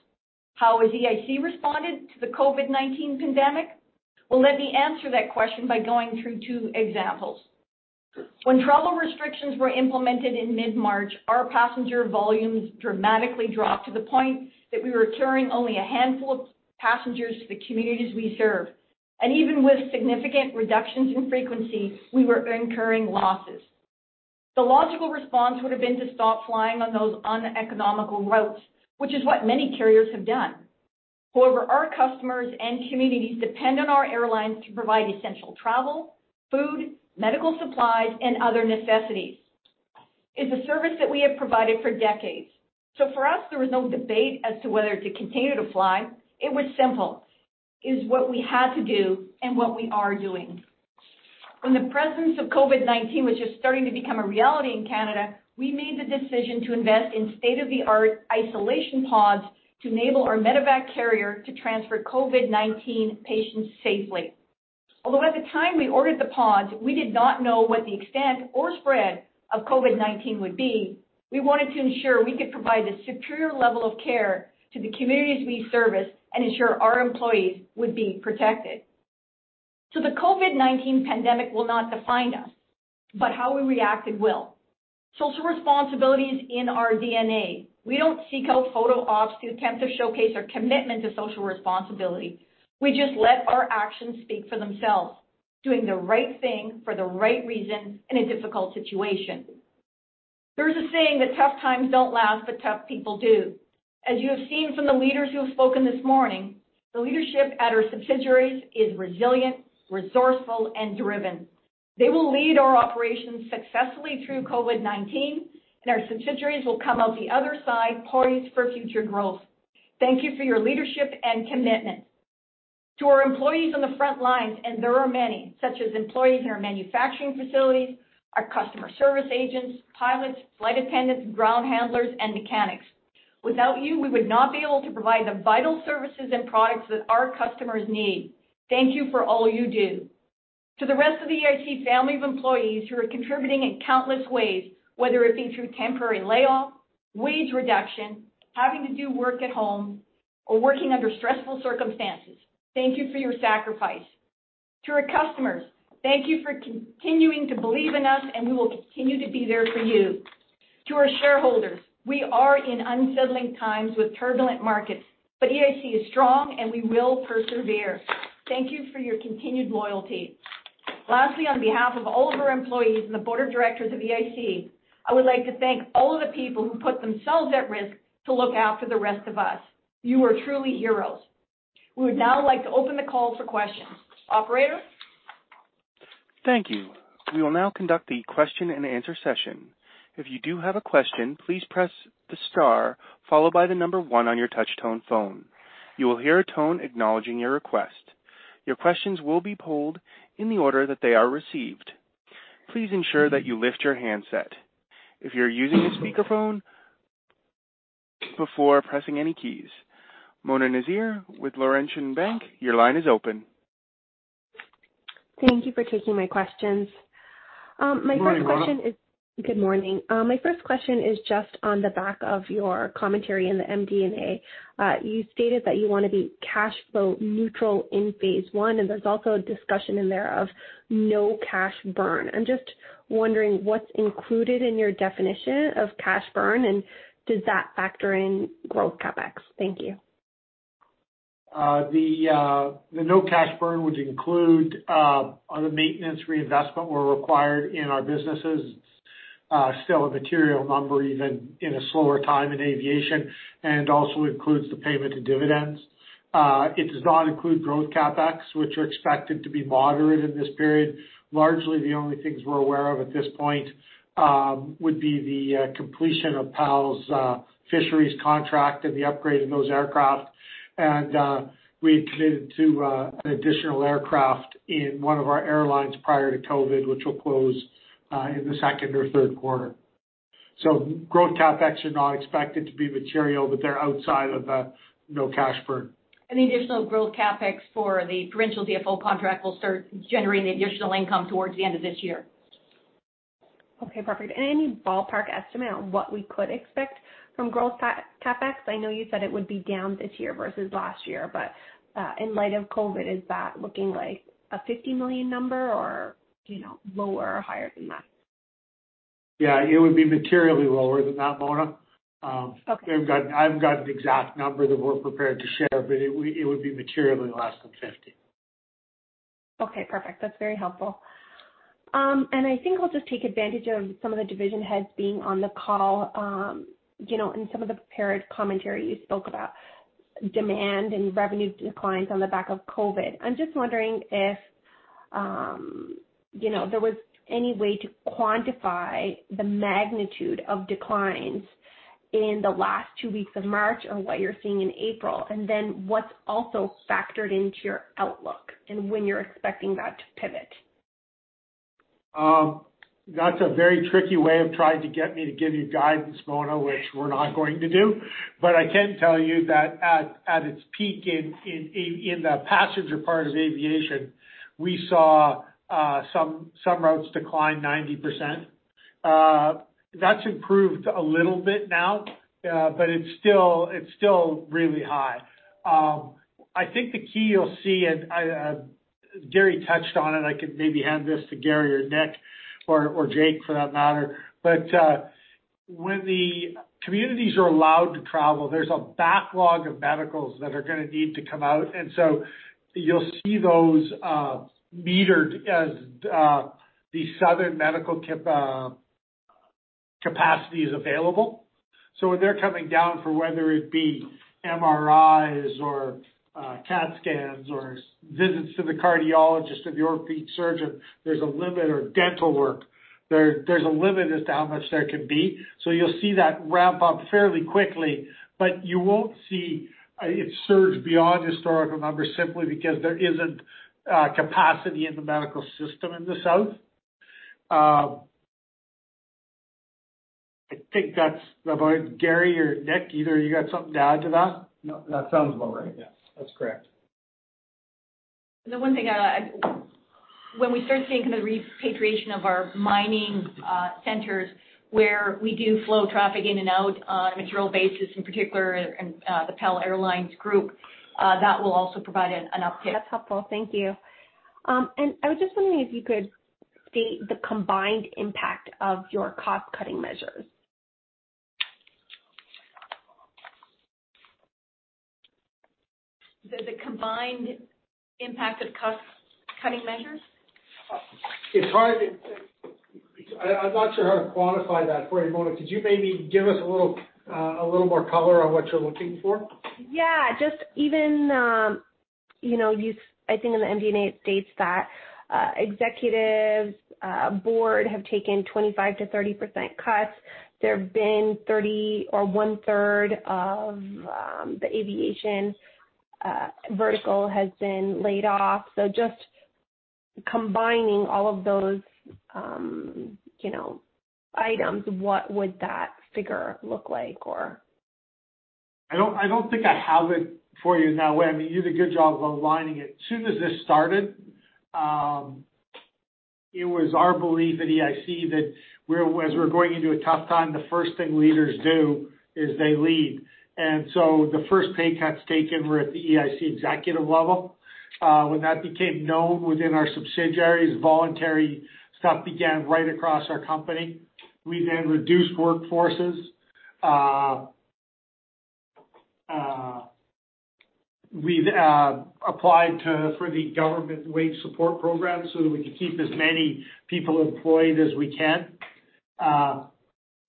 How has Exchange Income Corporation responded to the COVID-19 pandemic? Well, let me answer that question by going through two examples. When travel restrictions were implemented in mid-March, our passenger volumes dramatically dropped to the point that we were carrying only a handful of passengers to the communities we serve. Even with significant reductions in frequency, we were incurring losses. The logical response would have been to stop flying on those uneconomical routes, which is what many carriers have done. However, our customers and communities depend on our airlines to provide essential travel, food, medical supplies, and other necessities. It's a service that we have provided for decades. For us, there was no debate as to whether to continue to fly. It was simple. It is what we had to do and what we are doing. When the presence of COVID-19 was just starting to become a reality in Canada, we made the decision to invest in state-of-the-art isolation pods to enable our medevac carrier to transfer COVID-19 patients safely. Although at the time we ordered the pods, we did not know what the extent or spread of COVID-19 would be. We wanted to ensure we could provide a superior level of care to the communities we service and ensure our employees would be protected. The COVID-19 pandemic will not define us, but how we reacted will. Social responsibility is in our DNA. We don't seek out photo ops to attempt to showcase our commitment to social responsibility. We just let our actions speak for themselves, doing the right thing for the right reasons in a difficult situation. There's a saying that tough times don't last, but tough people do. As you have seen from the leaders who have spoken this morning, the leadership at our subsidiaries is resilient, resourceful, and driven. They will lead our operations successfully through COVID-19, and our subsidiaries will come out the other side poised for future growth. Thank you for your leadership and commitment. To our employees on the front lines, and there are many, such as employees in our manufacturing facilities, our customer service agents, pilots, flight attendants, ground handlers, and mechanics. Without you, we would not be able to provide the vital services and products that our customers need. Thank you for all you do. To the rest of the Exchange Income Corporation family of employees who are contributing in countless ways, whether it be through temporary layoff, wage reduction, having to do work at home, or working under stressful circumstances, thank you for your sacrifice. To our customers, thank you for continuing to believe in us, and we will continue to be there for you. To our shareholders, we are in unsettling times with turbulent markets, but Exchange Income Corporation is strong, and we will persevere. Thank you for your continued loyalty. Lastly, on behalf of all of our employees and the board of directors of Exchange Income Corporation, I would like to thank all of the people who put themselves at risk to look after the rest of us. You are truly heroes. We would now like to open the call for questions. Operator? Thank you. We will now conduct the question and answer session. If you do have a question, please press the star followed by the number one on your touch-tone phone. You will hear a tone acknowledging your request. Your questions will be polled in the order that they are received. Please ensure that you lift your handset if you're using a speakerphone before pressing any keys. Mona Nazir with Laurentian Bank, your line is open. Thank you for taking my questions. Good morning, Mona. Good morning. My first question is just on the back of your commentary in the MD&A. You stated that you want to be cash flow neutral in phase one, and there's also a discussion in there of no cash burn. I'm just wondering what's included in your definition of cash burn, and does that factor in growth CapEx? Thank you. The no cash burn would include other maintenance reinvestment where required in our businesses. It's still a material number even in a slower time in aviation, and it also includes the payment of dividends. It does not include growth CapEx, which are expected to be moderate in this period. Largely, the only things we're aware of at this point would be the completion of Provincial fisheries contract and the upgrade of those aircraft. We had committed to an additional aircraft in one of our airlines prior to COVID, which will close in the second or third quarter. Growth CapEx are not expected to be material, but they're outside of the no cash burn. The additional growth CapEx for the Provincial DFO contract will start generating additional income toward the end of this year. Okay, perfect. Any ballpark estimate on what we could expect from growth CapEx? I know you said it would be down this year versus last year, but in light of COVID, is that looking like a 50 million number or lower or higher than that? Yeah, it would be materially lower than that, Mona. Okay. I haven't got an exact number that we're prepared to share, but it would be materially less than 50 million. Okay, perfect. That's very helpful. I think I'll just take advantage of some of the division heads being on the call. In some of the prepared commentary, you spoke about demand and revenue declines on the back of COVID. I'm just wondering if there was any way to quantify the magnitude of declines in the last two weeks of March or what you're seeing in April, and then what's also factored into your outlook and when you're expecting that to pivot? That's a very tricky way of trying to get me to give you guidance, Mona, which we're not going to do. I can tell you that at its peak in the passenger part of aviation, we saw some routes decline 90%. That's improved a little bit now but it's still really high. I think the key you'll see, Gary touched on it. I could maybe hand this to Gary or Nick or Jake, for that matter. When the communities are allowed to travel, there's a backlog of medicals that are going to need to come out. You'll see those metered as the southern medical capacity is available. When they're coming down for, whether it be MRIs or CAT scans or visits to the cardiologist, or the orthopedist surgeon, there's a limit, or dental work. There's a limit as to how much there can be. You'll see that ramp up fairly quickly, but you won't see it surge beyond historical numbers simply because there isn't capacity in the medical system in the South. I think that's about it. Gary or Nick, either of you got something to add to that? No, that sounds about right. Yes. That's correct. The one thing, when we start seeing the repatriation of our mining centers where we do flow traffic in and out on a material basis, in particular the PAL Airlines group, that will also provide an uptick. That's helpful. Thank you. I was just wondering if you could state the combined impact of your cost-cutting measures. The combined impact of cost-cutting measures? It's hard. I'm not sure how to quantify that for you, Mona. Could you maybe give us a little more color on what you're looking for? Yeah. I think in the MD&A it states that executive board have taken 25%-30% cuts. There have been 30% or one-third of the aviation vertical has been laid off. Just combining all of those items, what would that figure look like? I don't think I have it for you in that way. I mean, you did a good job of outlining it. Soon as this started, it was our belief at Exchange Income Corporation that as we're going into a tough time, the first thing leaders do is they lead. The first pay cuts taken were at the Exchange Income Corporation executive level. When that became known within our subsidiaries, voluntary stuff began right across our company. We reduced workforces. We've applied for the government wage support program so that we can keep as many people employed as we can.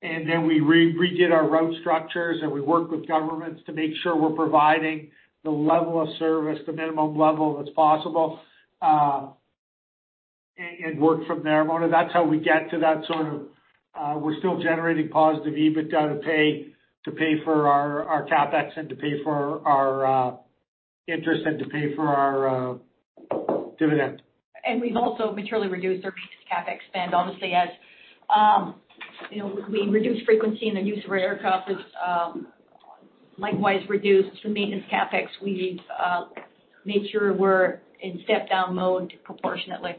We redid our route structures, and we worked with governments to make sure we're providing the level of service, the minimum level that's possible, and work from there, Mona. That's how we get to that sort of, we're still generating positive EBITDA to pay for our CapEx and to pay for our interest and to pay for our dividend. We've also materially reduced our maintenance CapEx spend, honestly, as we reduce frequency and the use of our aircraft is likewise reduced. The maintenance CapEx, we've made sure we're in step-down mode proportionately.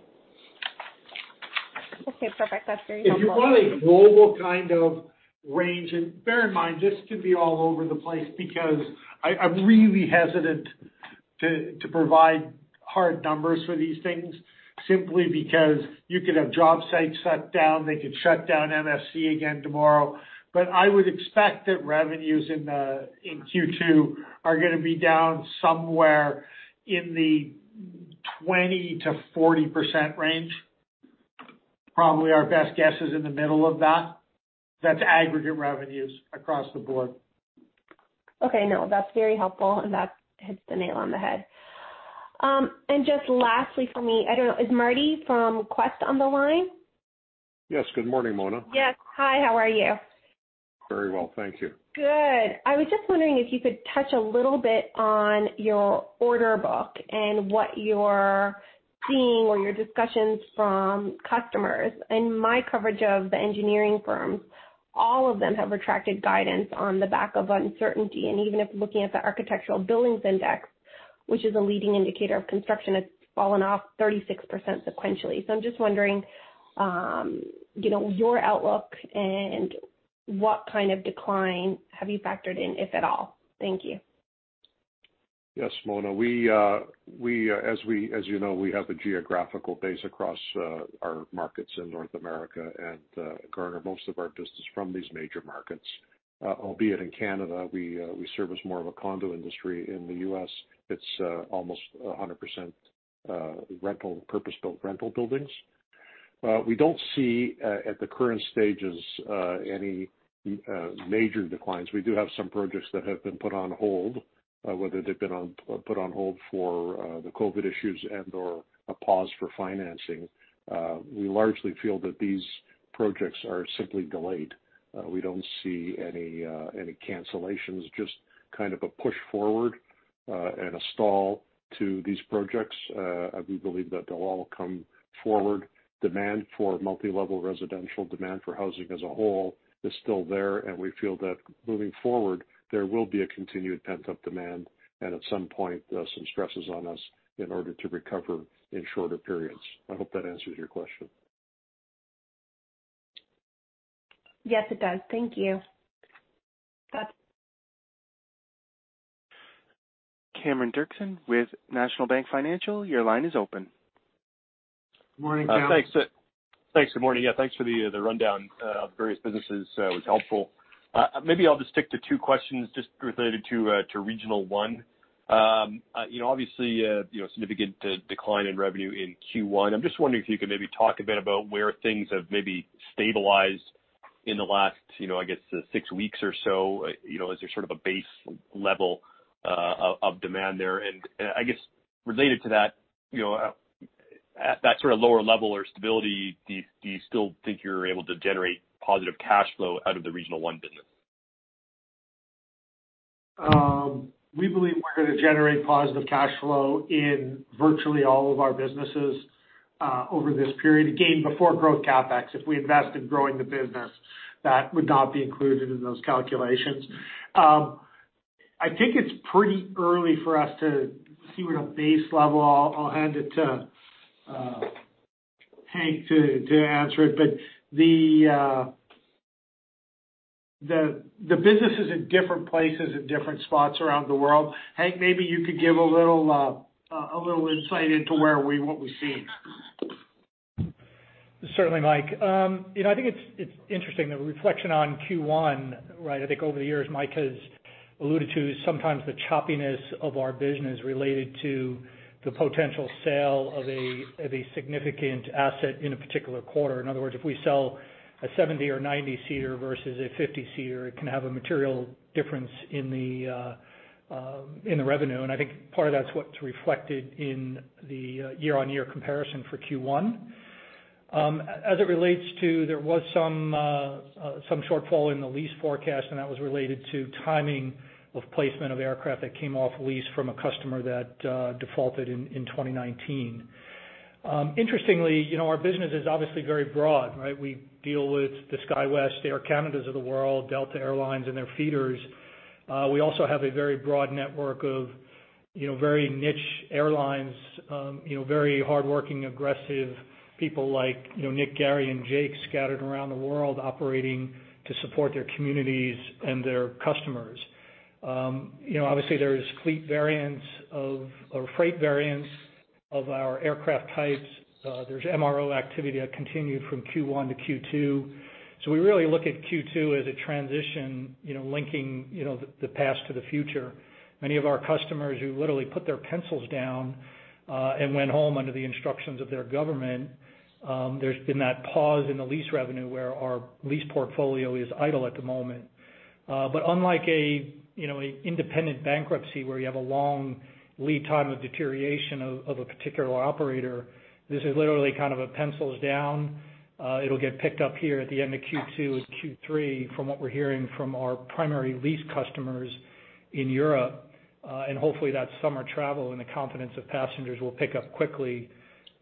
Okay, perfect. That's very helpful. If you want a global kind of range, bear in mind, this could be all over the place because I'm really hesitant to provide hard numbers for these things simply because you could have job sites shut down, they could shut down MFC again tomorrow. I would expect that revenues in Q2 are going to be down somewhere in the 20%-40% range. Probably our best guess is in the middle of that. That's aggregate revenues across the board. Okay. No, that's very helpful, and that hits the nail on the head. Just lastly from me, I don't know, is Martin from Quest on the line? Yes. Good morning, Mona. Yes. Hi, how are you? Very well, thank you. Good. I was just wondering if you could touch a little bit on your order book and what you're seeing or your discussions from customers. In my coverage of the engineering firms, all of them have retracted guidance on the back of uncertainty. Even if looking at the Architecture Billings Index, which is a leading indicator of construction, it's fallen off 36% sequentially. I'm just wondering your outlook and what kind of decline have you factored in, if at all? Thank you. Yes, Mona. As you know we have a geographical base across our markets in North America and garner most of our business from these major markets. Albeit in Canada, we serve as more of a condo industry. In the U.S., it's almost 100% purpose-built rental buildings. We don't see, at the current stages, any major declines. We do have some projects that have been put on hold, whether they've been put on hold for the COVID issues and/or a pause for financing. We largely feel that these projects are simply delayed. We don't see any cancellations, just kind of a push forward and a stall to these projects. We believe that they'll all come forward. Demand for multi-level residential, demand for housing as a whole is still there, and we feel that moving forward, there will be a continued pent-up demand, and at some point, some stresses on us in order to recover in shorter periods. I hope that answers your question. Yes, it does. Thank you. Cameron Doerksen with National Bank Financial, your line is open. Morning, Cameron. Thanks. Good morning. Yeah, thanks for the rundown of various businesses. It was helpful. Maybe I'll just stick to two questions just related to Regional One. Obviously, significant decline in revenue in Q1. I'm just wondering if you could maybe talk a bit about where things have maybe stabilized in the last, I guess, six weeks or so. Is there sort of a base level of demand there? I guess related to that, at that sort of lower level or stability, do you still think you're able to generate positive cash flow out of the Regional One business? We believe we're going to generate positive cash flow in virtually all of our businesses over this period, again, before growth CapEx. If we invest in growing the business, that would not be included in those calculations. I think it's pretty early for us to see what a base level. I'll hand it to Hank to answer it. The business is in different places at different spots around the world. Hank, maybe you could give a little insight into what we're seeing. Certainly, Mike. I think it's interesting, the reflection on Q1, I think over the years, Mike has alluded to sometimes the choppiness of our business related to the potential sale of a significant asset in a particular quarter. In other words, if we sell a 70 or 90-seater versus a 50-seater, it can have a material difference in the revenue, and I think part of that's what's reflected in the year-on-year comparison for Q1. As it relates to, there was some shortfall in the lease forecast, and that was related to timing of placement of aircraft that came off lease from a customer that defaulted in 2019. Interestingly, our business is obviously very broad, right? We deal with the SkyWest, Air Canadas of the world, Delta Air Lines, and their feeders. We also have a very broad network of very niche airlines. Very hardworking, aggressive people like Nick, Gary, and Jake scattered around the world operating to support their communities and their customers. Obviously, there's fleet variance of, or freight variance of our aircraft types. There's MRO activity that continued from Q1 to Q2. We really look at Q2 as a transition linking the past to the future. Many of our customers who literally put their pencils down and went home under the instructions of their government, there's been that pause in the lease revenue where our lease portfolio is idle at the moment. Unlike an independent bankruptcy where you have a long lead time of deterioration of a particular operator, this is literally kind of a pencils down. It'll get picked up here at the end of Q2 and Q3 from what we're hearing from our primary lease customers in Europe. Hopefully that summer travel and the confidence of passengers will pick up quickly,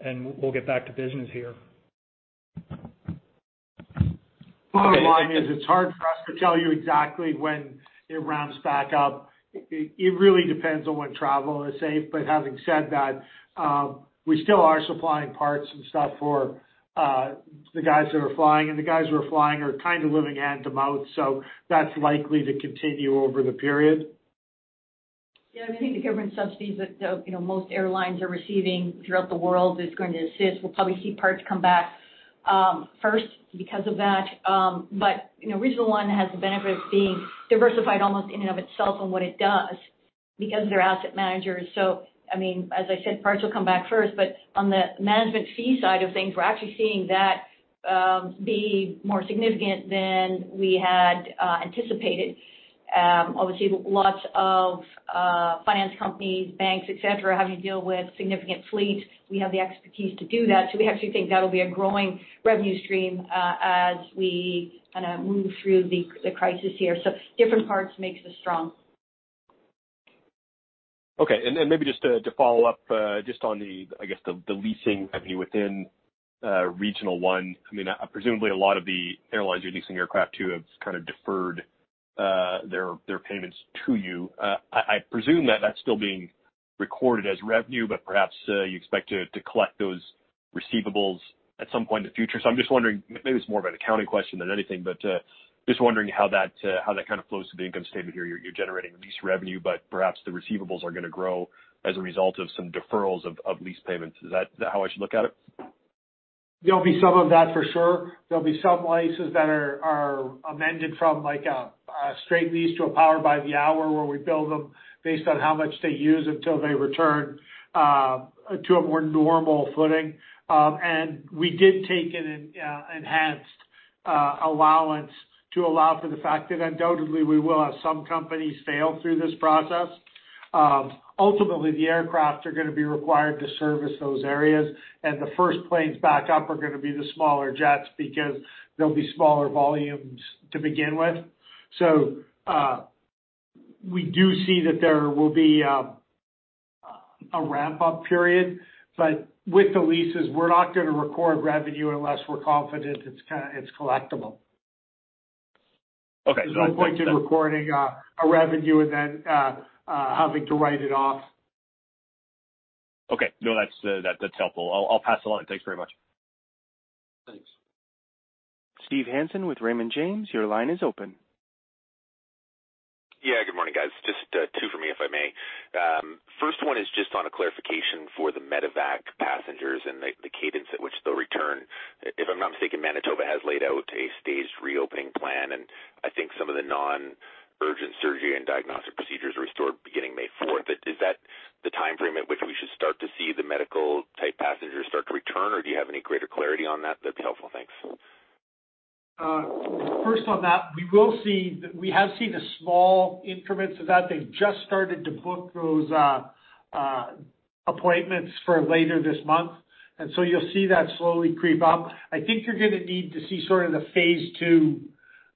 and we'll get back to business here. Bottom line is it's hard for us to tell you exactly when it ramps back up. It really depends on when travel is safe. Having said that, we still are supplying parts and stuff for the guys who are flying, and the guys who are flying are kind of living hand-to-mouth, so that's likely to continue over the period. Yeah, I think the government subsidies that most airlines are receiving throughout the world is going to assist. We'll probably see parts come back first because of that. Regional One has the benefit of being diversified almost in and of itself on what it does because they're asset managers. As I said, parts will come back first, but on the management fee side of things, we're actually seeing that be more significant than we had anticipated. Obviously, lots of finance companies, banks, et cetera, having to deal with significant fleets. We have the expertise to do that, so we actually think that'll be a growing revenue stream as we move through the crisis here. Different parts makes us strong. Okay. Maybe just to follow up just on the, I guess, the leasing revenue within Regional One, presumably a lot of the airlines you are leasing aircraft to have kind of deferred their payments to you. I presume that that is still being recorded as revenue, but perhaps you expect to collect those receivables at some point in the future. I am just wondering, maybe it is more of an accounting question than anything, but just wondering how that kind of flows to the income statement here. You are generating lease revenue, but perhaps the receivables are going to grow as a result of some deferrals of lease payments. Is that how I should look at it? There'll be some of that for sure. There'll be some leases that are amended from a straight lease to a power by the hour, where we bill them based on how much they use until they return to a more normal footing. We did take an enhanced allowance to allow for the fact that undoubtedly we will have some companies fail through this process. Ultimately, the aircraft are going to be required to service those areas, and the first planes back up are going to be the smaller jets because they'll be smaller volumes to begin with. We do see that there will be a ramp-up period, but with the leases, we're not going to record revenue unless we're confident it's collectible. Okay. There's no point in recording a revenue and then having to write it off. Okay. No, that's helpful. I'll pass along. Thanks very much. Steve Hansen with Raymond James, your line is open. Good morning, guys. Just two from me, if I may. First one is just on a clarification for the medevac passengers and the cadence at which they'll return. If I'm not mistaken, Manitoba has laid out a staged reopening plan, and I think some of the non-urgent surgery and diagnostic procedures restore beginning May 4th. Is that the timeframe at which we should start to see the medical type passengers start to return, or do you have any greater clarity on that? That'd be helpful. Thanks. First on that, we have seen the small increments of that. They've just started to book those appointments for later this month. You'll see that slowly creep up. I think you're going to need to see sort of the phase 2,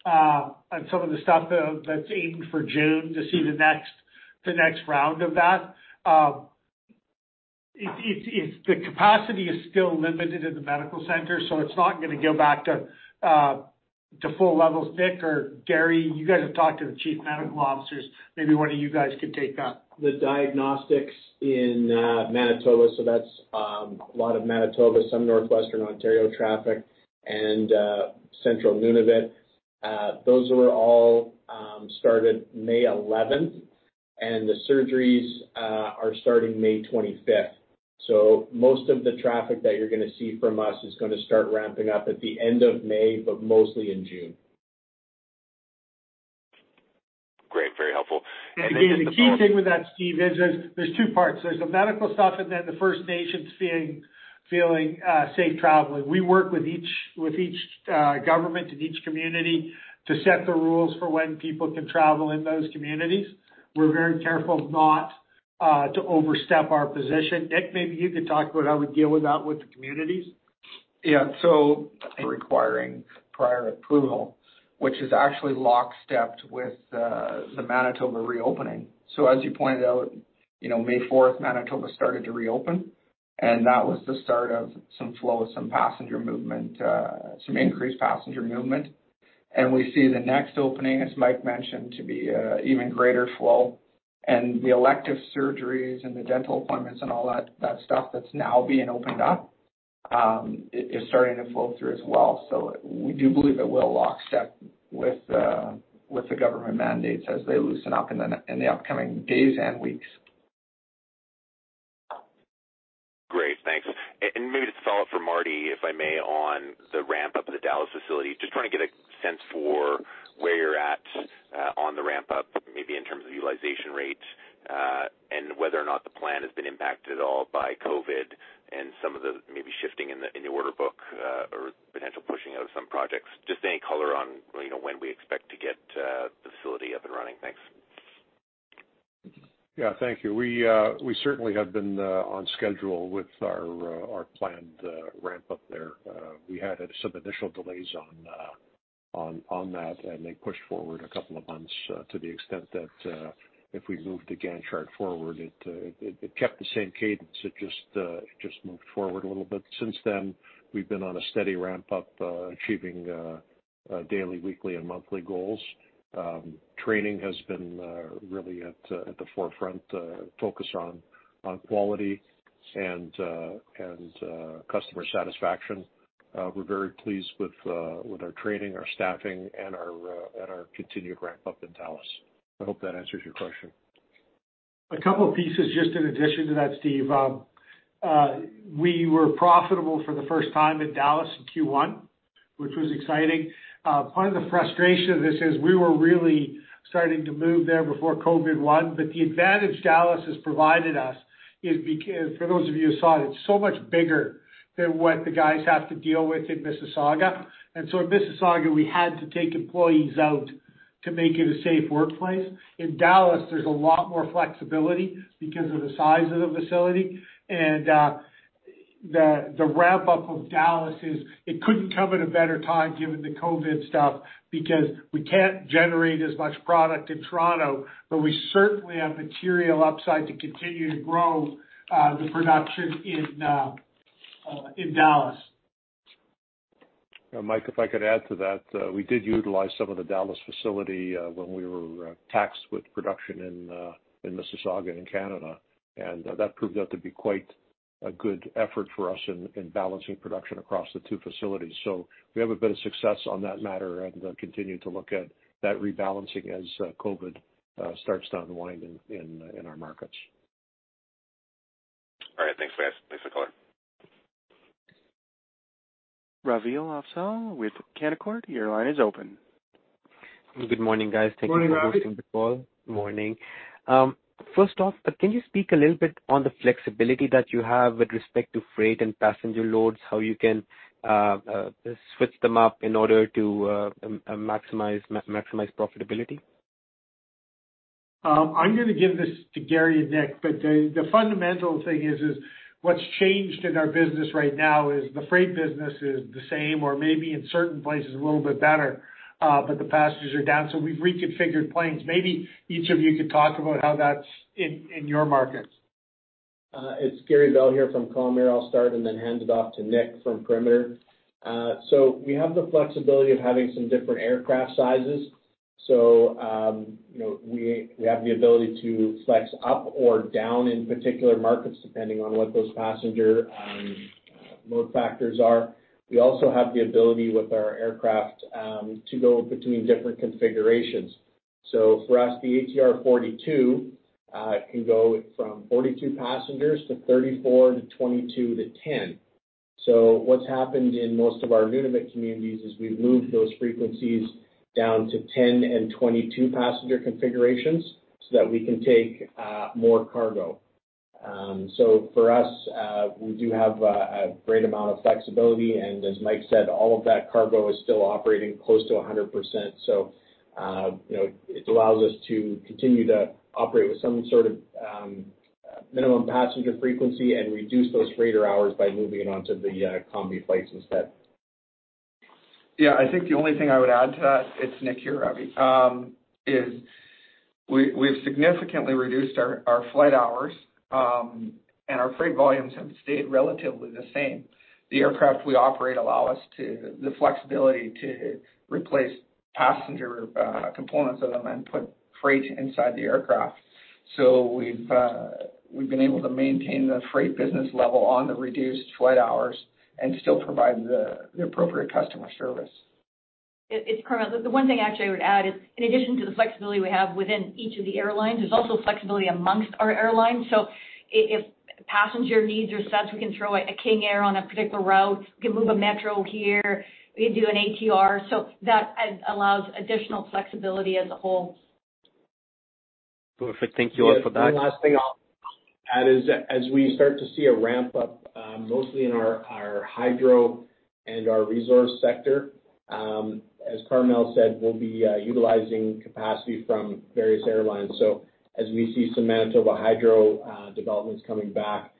on some of the stuff that's aimed for June to see the next round of that. The capacity is still limited at the medical center. It's not going to go back to full levels. Nick or Gary, you guys have talked to the chief medical officers. Maybe one of you guys could take that. The diagnostics in Manitoba, so that's a lot of Manitoba, some Northwestern Ontario traffic, and Central Nunavut. Those were all started May 11th, and the surgeries are starting May 25th. Most of the traffic that you're going to see from us is going to start ramping up at the end of May, but mostly in June. Great. Very helpful. Maybe the- Again, the key thing with that, Steve, is there's two parts. There's the medical stuff and then the First Nations feeling safe traveling. We work with each government and each community to set the rules for when people can travel in those communities. We're very careful not to overstep our position. Nick, maybe you could talk about how we deal with that with the communities. Yeah. Requiring prior approval, which is actually lockstep with the Manitoba reopening. As you pointed out, May 4th, Manitoba started to reopen, that was the start of some flow of some passenger movement, some increased passenger movement. We see the next opening, as Mike mentioned, to be even greater flow. The elective surgeries and the dental appointments and all that stuff that's now being opened up is starting to flow through as well. We do believe it will lockstep with the government mandates as they loosen up in the upcoming days and weeks. Great. Thanks. Maybe just to follow up for Martin, if I may, on the ramp-up of the Dallas facility, just trying to get a sense for where you're at on the ramp-up, maybe in terms of utilization rate, and whether or not the plan has been impacted at all by COVID-19 and some of the maybe shifting in the order book, or potential pushing out of some projects. Just any color on when we expect to get the facility up and running. Thanks. Yeah, thank you. We certainly have been on schedule with our planned ramp-up there. We had some initial delays on that, and they pushed forward a couple of months to the extent that if we moved the Gantt chart forward, it kept the same cadence, it just moved forward a little bit. Since then, we've been on a steady ramp-up, achieving daily, weekly and monthly goals. Training has been really at the forefront focus on quality and customer satisfaction. We're very pleased with our training, our staffing, and our continued ramp-up in Dallas. I hope that answers your question. A couple pieces just in addition to that, Steve. We were profitable for the first time in Dallas in Q1, which was exciting. Part of the frustration of this is we were really starting to move there before COVID-19, the advantage Dallas has provided us is because for those of you who saw it's so much bigger than what the guys have to deal with in Mississauga. In Mississauga, we had to take employees out to make it a safe workplace. In Dallas, there's a lot more flexibility because of the size of the facility and the ramp-up of Dallas is it couldn't come at a better time given the COVID stuff because we can't generate as much product in Toronto, we certainly have material upside to continue to grow the production in Dallas. Mike, if I could add to that, we did utilize some of the Dallas facility when we were taxed with production in Mississauga in Canada, that proved out to be quite a good effort for us in balancing production across the two facilities. We have a bit of success on that matter and continue to look at that rebalancing as COVID starts to unwind in our markets. All right. Thanks, guys. Thanks for the call. Raveel Afzaal with Canaccord, your line is open. Good morning, guys. Morning, Raveel. Thank you for hosting the call. Morning. First off, can you speak a little bit on the flexibility that you have with respect to freight and passenger loads, how you can switch them up in order to maximize profitability? I'm going to give this to Gary and Nick. The fundamental thing is what's changed in our business right now is the freight business is the same or maybe in certain places a little bit better, but the passengers are down. We've reconfigured planes. Maybe each of you could talk about how that's in your markets. It's Gary Bell here from Calm Air. I'll start and then hand it off to Nick from Perimeter. We have the flexibility of having some different aircraft sizes. We have the ability to flex up or down in particular markets depending on what those passenger load factors are. We also have the ability with our aircraft to go between different configurations. For us, the ATR 42 can go from 42 passengers-34-22-10. What's happened in most of our Nunavik communities is we've moved those frequencies down to 10 and 22 passenger configurations so that we can take more cargo. For us, we do have a great amount of flexibility, and as Mike said, all of that cargo is still operating close to 100%. It allows us to continue to operate with some sort of minimum passenger frequency and reduce those freighter hours by moving it onto the combi flights instead. Yeah, I think the only thing I would add to that, it's Nick here, Raveel, is we've significantly reduced our flight hours, and our freight volumes have stayed relatively the same. The aircraft we operate allow us the flexibility to replace passenger components of them and put freight inside the aircraft. We've been able to maintain the freight business level on the reduced flight hours and still provide the appropriate customer service. It's Carmele. The one thing actually I would add is in addition to the flexibility we have within each of the airlines, there's also flexibility amongst our airlines. If passenger needs are such, we can throw a King Air on a particular route, we can move a Metro here, we can do an ATR. That allows additional flexibility as a whole. Perfect. Thank you all for that. The last thing I'll add is as we start to see a ramp-up, mostly in our hydro and our resource sector, as Carmele said, we'll be utilizing capacity from various airlines. As we see some Manitoba Hydro developments coming back,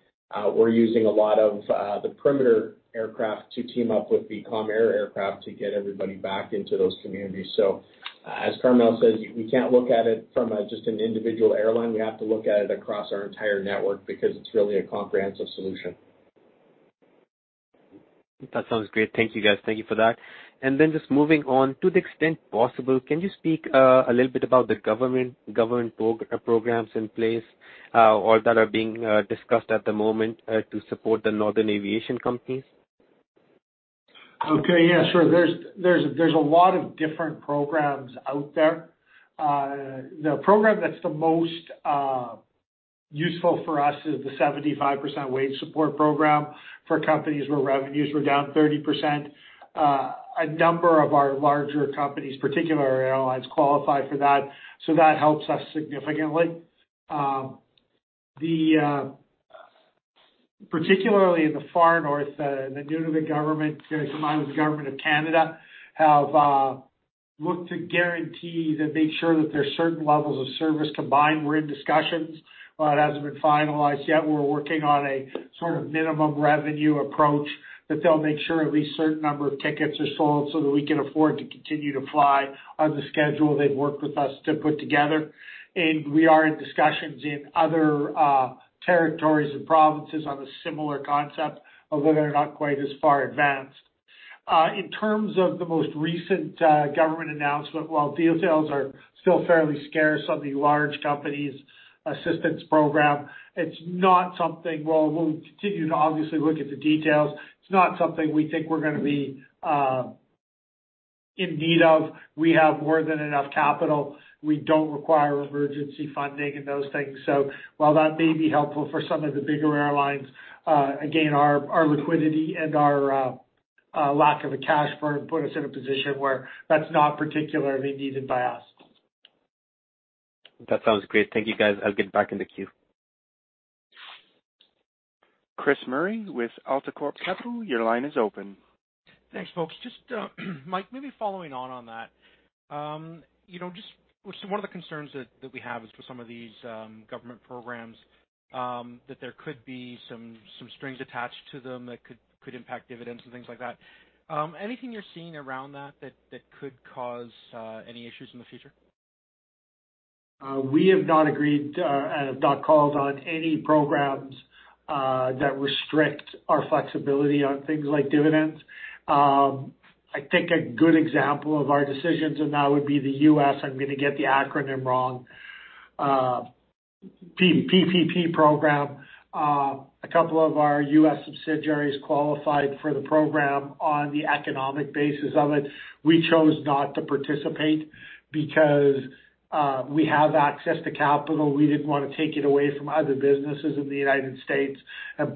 we're using a lot of the Perimeter aircraft to team up with the Calm Air aircraft to get everybody back into those communities. As Carmele says, we can't look at it from just an individual airline. We have to look at it across our entire network because it's really a comprehensive solution. That sounds great. Thank you guys. Thank you for that. Then just moving on, to the extent possible, can you speak a little bit about the government programs in place or that are being discussed at the moment to support the northern aviation companies? Okay. Yeah, sure. There's a lot of different programs out there. The program that's the most useful for us is the 75% wage support program for companies where revenues were down 30%. A number of our larger companies, particularly our airlines, qualify for that. That helps us significantly. Particularly in the far north, the Nunavut government, in conjunction with the Government of Canada, have looked to guarantee to make sure that there's certain levels of service combined. We're in discussions. It hasn't been finalized yet. We're working on a sort of minimum revenue approach that they'll make sure at least a certain number of tickets are sold so that we can afford to continue to fly on the schedule they've worked with us to put together. We are in discussions in other territories and provinces on a similar concept, although they're not quite as far advanced. In terms of the most recent government announcement, while details are still fairly scarce on the large company assistance program, we'll continue to obviously look at the details. It's not something we think we're going to be in need of. We have more than enough capital. We don't require emergency funding and those things. While that may be helpful for some of the bigger airlines, again, our liquidity and our lack of a cash burn put us in a position where that's not particularly needed by us. That sounds great. Thank you, guys. I'll get back in the queue. Chris Murray with AltaCorp Capital, your line is open. Thanks, folks. Just Mike, maybe following on on that. One of the concerns that we have is with some of these government programs that there could be some strings attached to them that could impact dividends and things like that. Anything you're seeing around that that could cause any issues in the future? We have not agreed and have not called on any programs that restrict our flexibility on things like dividends. I think a good example of our decisions in that would be the U.S., I'm going to get the acronym wrong, PPP Program. A couple of our US subsidiaries qualified for the program on the economic basis of it. We chose not to participate because we have access to capital. We didn't want to take it away from other businesses in the United States,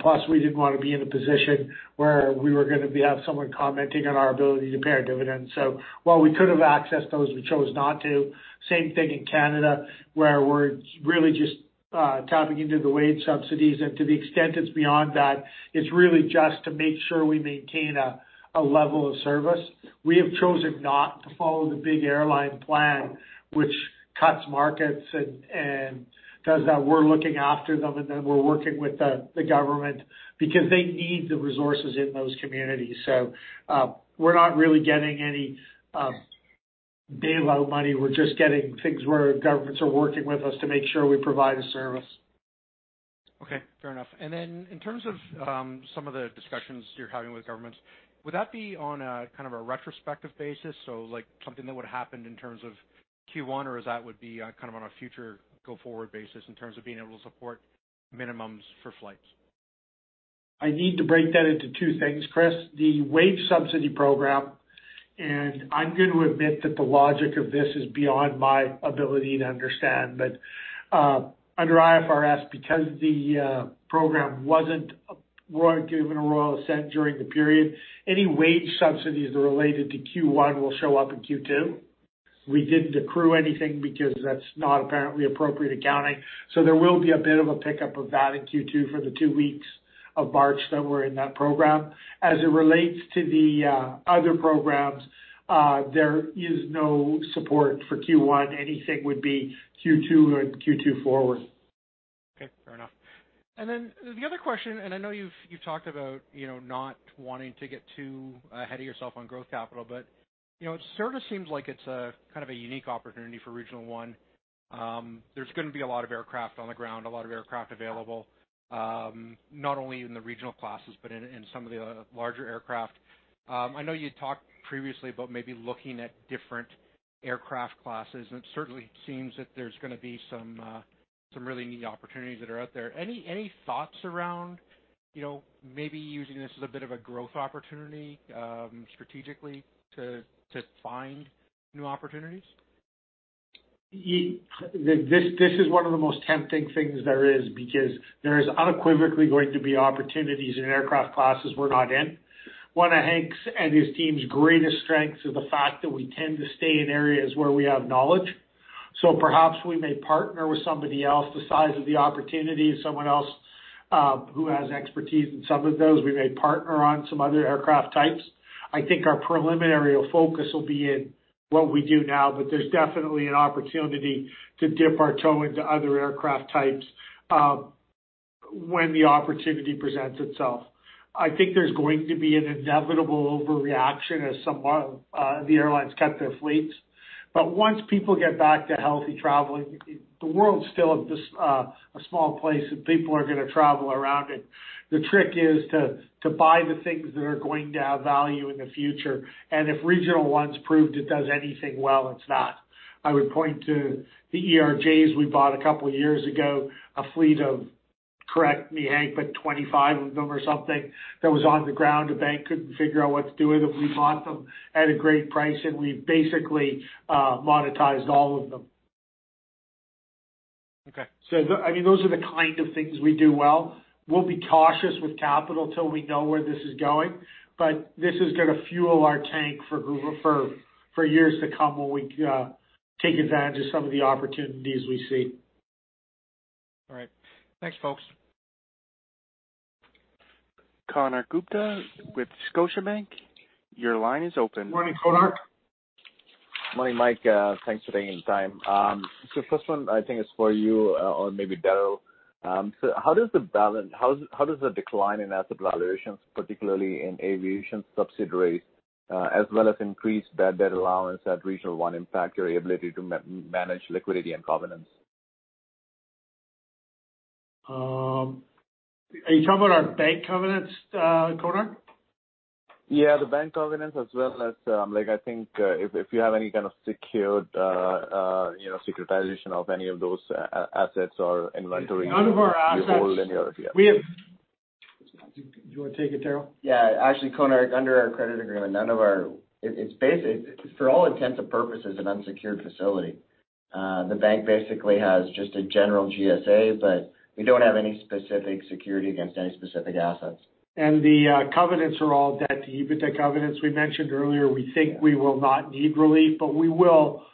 plus, we didn't want to be in a position where we were going to have someone commenting on our ability to pay our dividends. While we could have accessed those, we chose not to. Same thing in Canada, where we're really just tapping into the wage subsidies, and to the extent it's beyond that, it's really just to make sure we maintain a level of service. We have chosen not to follow the big airline plan, which cuts markets and does that. We're looking after them, and then we're working with the government because they need the resources in those communities. We're not really getting any bailout money. We're just getting things where governments are working with us to make sure we provide a service. Okay, fair enough. In terms of some of the discussions you're having with governments, would that be on a retrospective basis, so something that would happen in terms of Q1? Would be on a future go-forward basis in terms of being able to support minimums for flights? I need to break that into two things, Chris. The wage subsidy program, I am going to admit that the logic of this is beyond my ability to understand. Under IFRS, because the program wasn't given a royal assent during the period, any wage subsidies related to Q1 will show up in Q2. We didn't accrue anything because that's not apparently appropriate accounting. There will be a bit of a pickup of that in Q2 for the two weeks of March that were in that program. As it relates to the other programs, there is no support for Q1. Anything would be Q2 and Q2 forward. Okay, fair enough. The other question, I know you've talked about not wanting to get too ahead of yourself on growth capital, it sort of seems like it's a unique opportunity for Regional One. There's going to be a lot of aircraft on the ground, a lot of aircraft available, not only in the regional classes, but in some of the larger aircraft. I know you talked previously about maybe looking at different aircraft classes, it certainly seems that there's going to be some really neat opportunities that are out there. Any thoughts around maybe using this as a bit of a growth opportunity strategically to find new opportunities? This is one of the most tempting things there is, because there is unequivocally going to be opportunities in aircraft classes we're not in. One of Hank's and his team's greatest strengths is the fact that we tend to stay in areas where we have knowledge. Perhaps we may partner with somebody else the size of the opportunity, someone else who has expertise in some of those. We may partner on some other aircraft types. I think our preliminary focus will be in what we do now, but there's definitely an opportunity to dip our toe into other aircraft types when the opportunity presents itself. I think there's going to be an inevitable overreaction as the airlines cut their fleets. Once people get back to healthy traveling, the world's still a small place, and people are going to travel around it. The trick is to buy the things that are going to have value in the future. If Regional One's proved it does anything well, it's that. I would point to the ERJs we bought a couple of years ago, a fleet of, correct me, Hank, but 25 of them or something that was on the ground. The bank couldn't figure out what to do with them. We bought them at a great price, and we've basically monetized all of them. Okay. Those are the kind of things we do well. We'll be cautious with capital till we know where this is going. This is going to fuel our tank for years to come when we take advantage of some of the opportunities we see. All right. Thanks, folks. Konark Gupta with Scotiabank. Your line is open. Morning, Konark. Morning, Mike. Thanks for taking the time. First one, I think is for you or maybe Darryl. How does the decline in asset valuations, particularly in aviation subsidiaries, as well as increased bad debt allowance at Regional One impact your ability to manage liquidity and covenants? Are you talking about our bank covenants, Konark? Yeah, the bank covenants as well as, I think if you have any kind of secured securitization of any of those assets or inventory. None of our assets. You hold in your. Yeah. Do you want to take it, Darryl? Yeah. Actually, Konark, under our credit agreement, for all intents and purposes, an unsecured facility. The bank basically has just a general GSA, but we don't have any specific security against any specific assets. The covenants are all debt-to-EBITDA covenants. We mentioned earlier, we think we will not need relief, but we will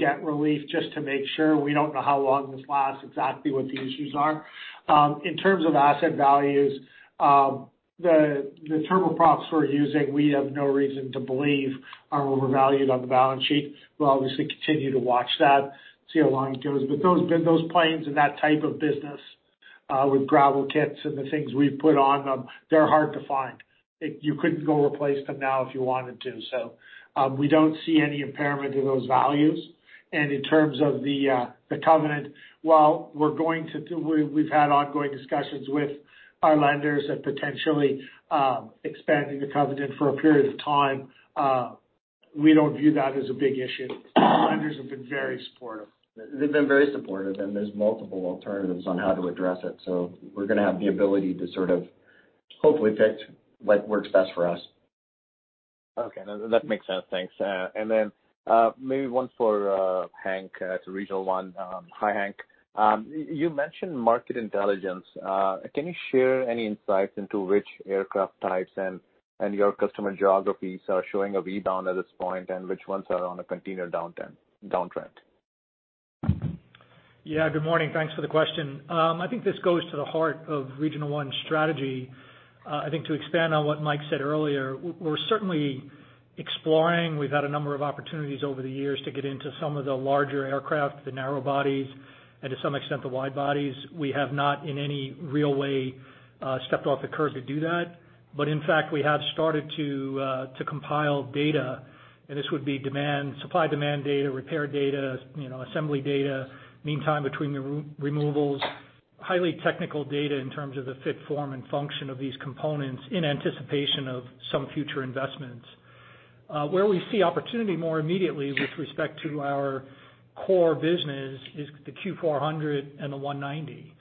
get relief just to make sure. We don't know how long this lasts, exactly what the issues are. In terms of asset values, the turboprops we're using, we have no reason to believe are overvalued on the balance sheet. We'll obviously continue to watch that, see how long it goes. Those planes and that type of business with gravel kits and the things we've put on them, they're hard to find. You couldn't go replace them now if you wanted to. We don't see any impairment to those values. In terms of the covenant, while we've had ongoing discussions with our lenders at potentially expanding the covenant for a period of time, we don't view that as a big issue. Lenders have been very supportive. They've been very supportive, and there's multiple alternatives on how to address it. We're going to have the ability to sort of hopefully pick what works best for us. Okay. No, that makes sense. Thanks. Maybe one for Hank to Regional One. Hi, Hank. You mentioned market intelligence. Can you share any insights into which aircraft types and your customer geographies are showing a rebound at this point and which ones are on a continual downtrend? Yeah. Good morning. Thanks for the question. I think this goes to the heart of Regional One's strategy. I think to expand on what Mike said earlier, we're certainly exploring. We've had a number of opportunities over the years to get into some of the larger aircraft, the narrow bodies, and to some extent, the wide bodies. We have not in any real way stepped off the curb to do that. In fact, we have started to compile data, and this would be supply-demand data, repair data, assembly data, meantime between the removals. Highly technical data in terms of the fit, form, and function of these components in anticipation of some future investments. Where we see opportunity more immediately with respect to our core business is the Q400 and the 190.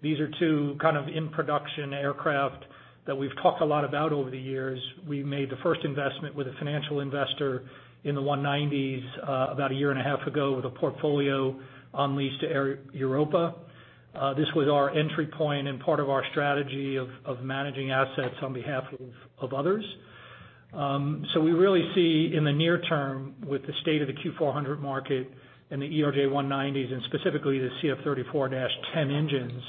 These are two kind of in-production aircraft that we've talked a lot about over the years. We made the first investment with a financial investor in the 190s about a year and a half ago with a portfolio on lease to Air Europa. This was our entry point and part of our strategy of managing assets on behalf of others. We really see in the near term with the state of the Q400 market and the ERJ190s, and specifically the CF34-10 engines,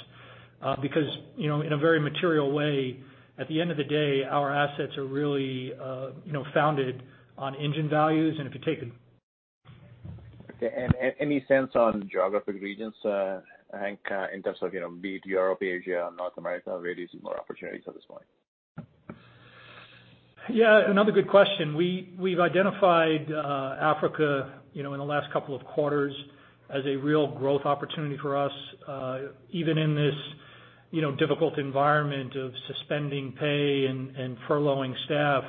because in a very material way, at the end of the day, our assets are really founded on engine values. Okay. Any sense on geographic regions, Hank, in terms of be it Europe, Asia, or North America, where do you see more opportunities at this point? Another good question. We've identified Africa in the last couple of quarters as a real growth opportunity for us. Even in this difficult environment of suspending pay and furloughing staff,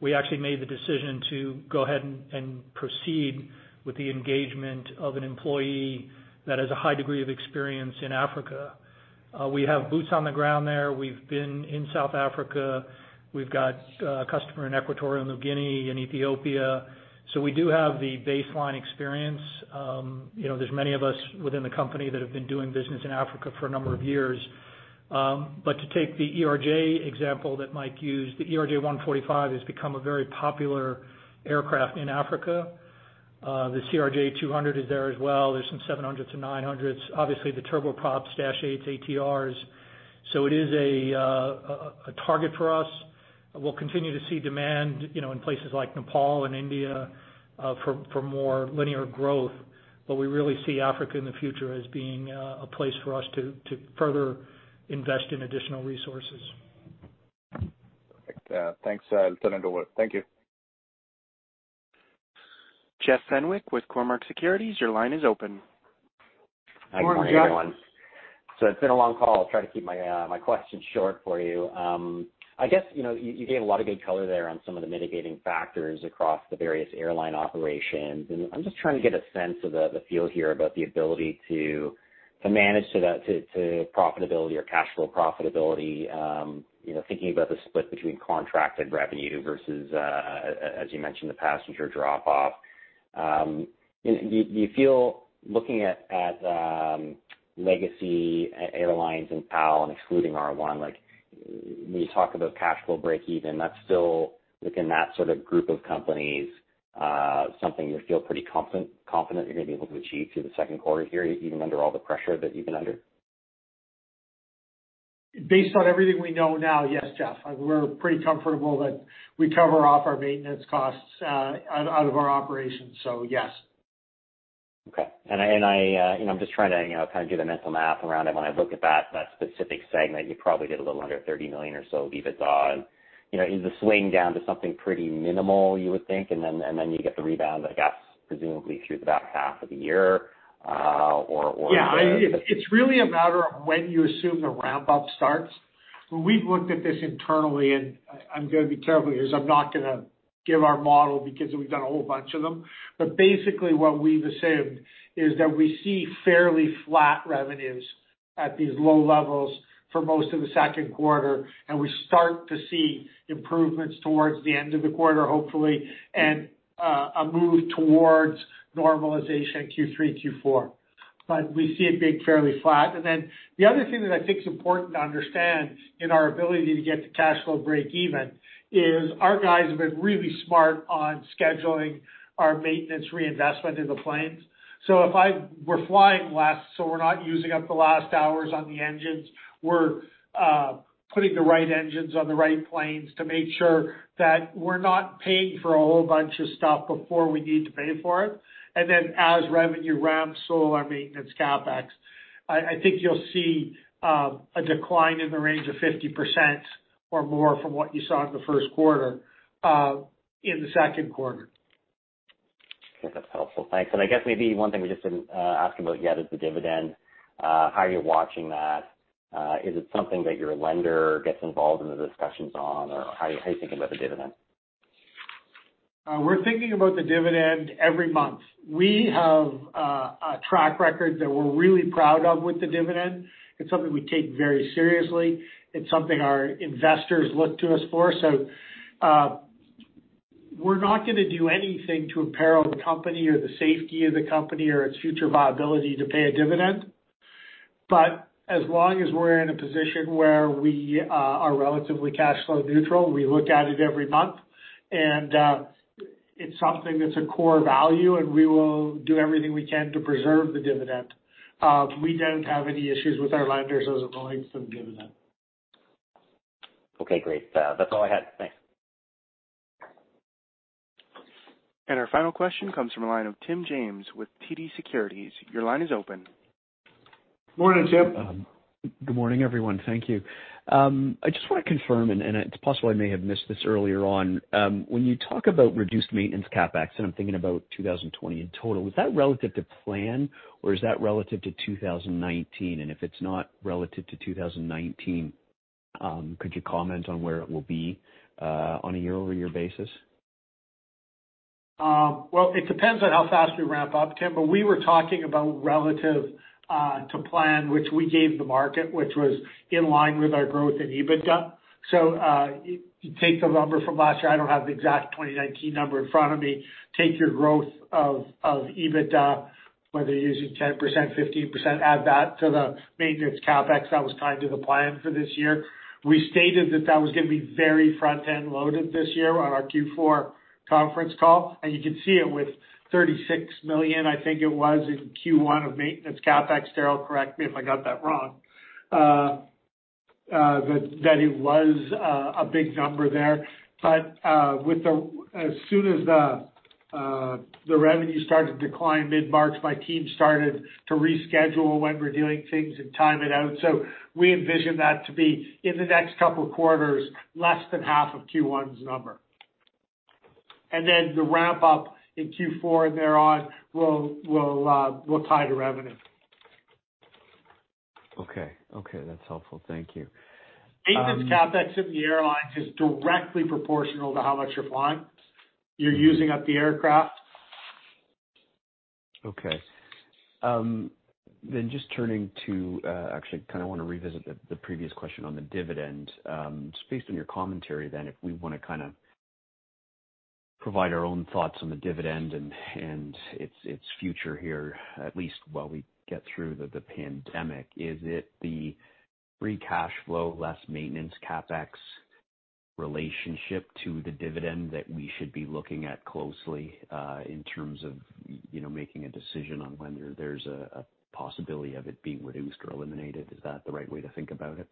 we actually made the decision to go ahead and proceed with the engagement of an employee that has a high degree of experience in Africa. We have boots on the ground there. We've been in South Africa. We've got a customer in Equatorial Guinea, in Ethiopia, we do have the baseline experience. There's many of us within the company that have been doing business in Africa for a number of years. To take the ERJ example that Mike used, the ERJ145 has become a very popular aircraft in Africa. The CRJ200 is there as well. There's some 700-900s. Obviously, the turboprop Dash 8 ATRs. It is a target for us. We'll continue to see demand in places like Nepal and India, for more linear growth. We really see Africa in the future as being a place for us to further invest in additional resources. Perfect. Thanks, Lieutenant Doyle. Thank you. Jeff Fenwick with Cormark Securities, your line is open. Good morning, Jeff. Hi, good morning, everyone. It's been a long call. I'll try to keep my questions short for you. I guess, you gave a lot of good color there on some of the mitigating factors across the various airline operations, and I'm just trying to get a sense of the feel here about the ability to manage to profitability or cash flow profitability. Thinking about the split between contracted revenue versus, as you mentioned, the passenger drop-off. Do you feel looking at legacy airlines and PAL and excluding R1, like when you talk about cash flow breakeven, that's still within that sort of group of companies, something you feel pretty confident you're going to be able to achieve through the second quarter here, even under all the pressure that you've been under? Based on everything we know now, yes, Jeff. We're pretty comfortable that we cover off our maintenance costs out of our operations. Yes. Okay. I'm just trying to kind of do the mental math around it. When I look at that specific segment, you probably get a little under 30 million or so EBITDA, and is the swing down to something pretty minimal, you would think, and then you get the rebound, I guess, presumably through the back half of the year. Yeah. It's really a matter of when you assume the ramp up starts. When we've looked at this internally, and I'm going to be careful here because I'm not going to give our model because we've done a whole bunch of them, but basically what we've assumed is that we see fairly flat revenues at these low levels for most of the second quarter, and we start to see improvements towards the end of the quarter, hopefully, and a move towards normalization in Q3, Q4. We see it being fairly flat. The other thing that I think is important to understand in our ability to get to cash flow breakeven is our guys have been really smart on scheduling our maintenance reinvestment in the planes. If we're flying less, so we're not using up the last hours on the engines, we're putting the right engines on the right planes to make sure that we're not paying for a whole bunch of stuff before we need to pay for it. Then as revenue ramps, so will our maintenance CapEx. I think you'll see a decline in the range of 50% or more from what you saw in the first quarter, in the second quarter. Okay. That's helpful. Thanks. I guess maybe one thing we just didn't ask about yet is the dividend. How are you watching that? Is it something that your lender gets involved in the discussions on, or how are you thinking about the dividend? We're thinking about the dividend every month. We have a track record that we're really proud of with the dividend. It's something we take very seriously. It's something our investors look to us for. We're not going to do anything to imperil the company or the safety of the company or its future viability to pay a dividend. As long as we're in a position where we are relatively cash flow neutral, we look at it every month, and it's something that's a core value, and we will do everything we can to preserve the dividend. We don't have any issues with our lenders as it relates to the dividend. Okay, great. That's all I had. Thanks. Our final question comes from the line of Tim James with TD Securities. Your line is open. Morning, Tim. Good morning, everyone. Thank you. I just want to confirm. It's possible I may have missed this earlier on. When you talk about reduced maintenance CapEx, I'm thinking about 2020 in total, was that relative to plan, or is that relative to 2019? If it's not relative to 2019, could you comment on where it will be on a year-over-year basis? Well, it depends on how fast we ramp up, Tim, but we were talking about relative to plan, which we gave the market, which was in line with our growth in EBITDA. You take the number from last year, I don't have the exact 2019 number in front of me. Take your growth of EBITDA, whether you're using 10%, 15%, add that to the maintenance CapEx that was tied to the plan for this year. We stated that that was going to be very front-end loaded this year on our Q4 conference call, and you can see it with 36 million, I think it was, in Q1 of maintenance CapEx. Darryl, correct me if I got that wrong. That it was a big number there. As soon as the revenue started to decline mid-March, my team started to reschedule when we're doing things and time it out. We envision that to be in the next couple of quarters, less than half of Q1's number. The ramp-up in Q4 and thereon will tie to revenue. Okay. That's helpful. Thank you. Maintenance CapEx in the airlines is directly proportional to how much you're flying. You're using up the aircraft. Okay. Just turning to actually, I want to revisit the previous question on the dividend. Just based on your commentary, then if we want to provide our own thoughts on the dividend and its future here, at least while we get through the pandemic. Is it the free cash flow less maintenance CapEx relationship to the dividend that we should be looking at closely in terms of making a decision on whether there's a possibility of it being reduced or eliminated? Is that the right way to think about it?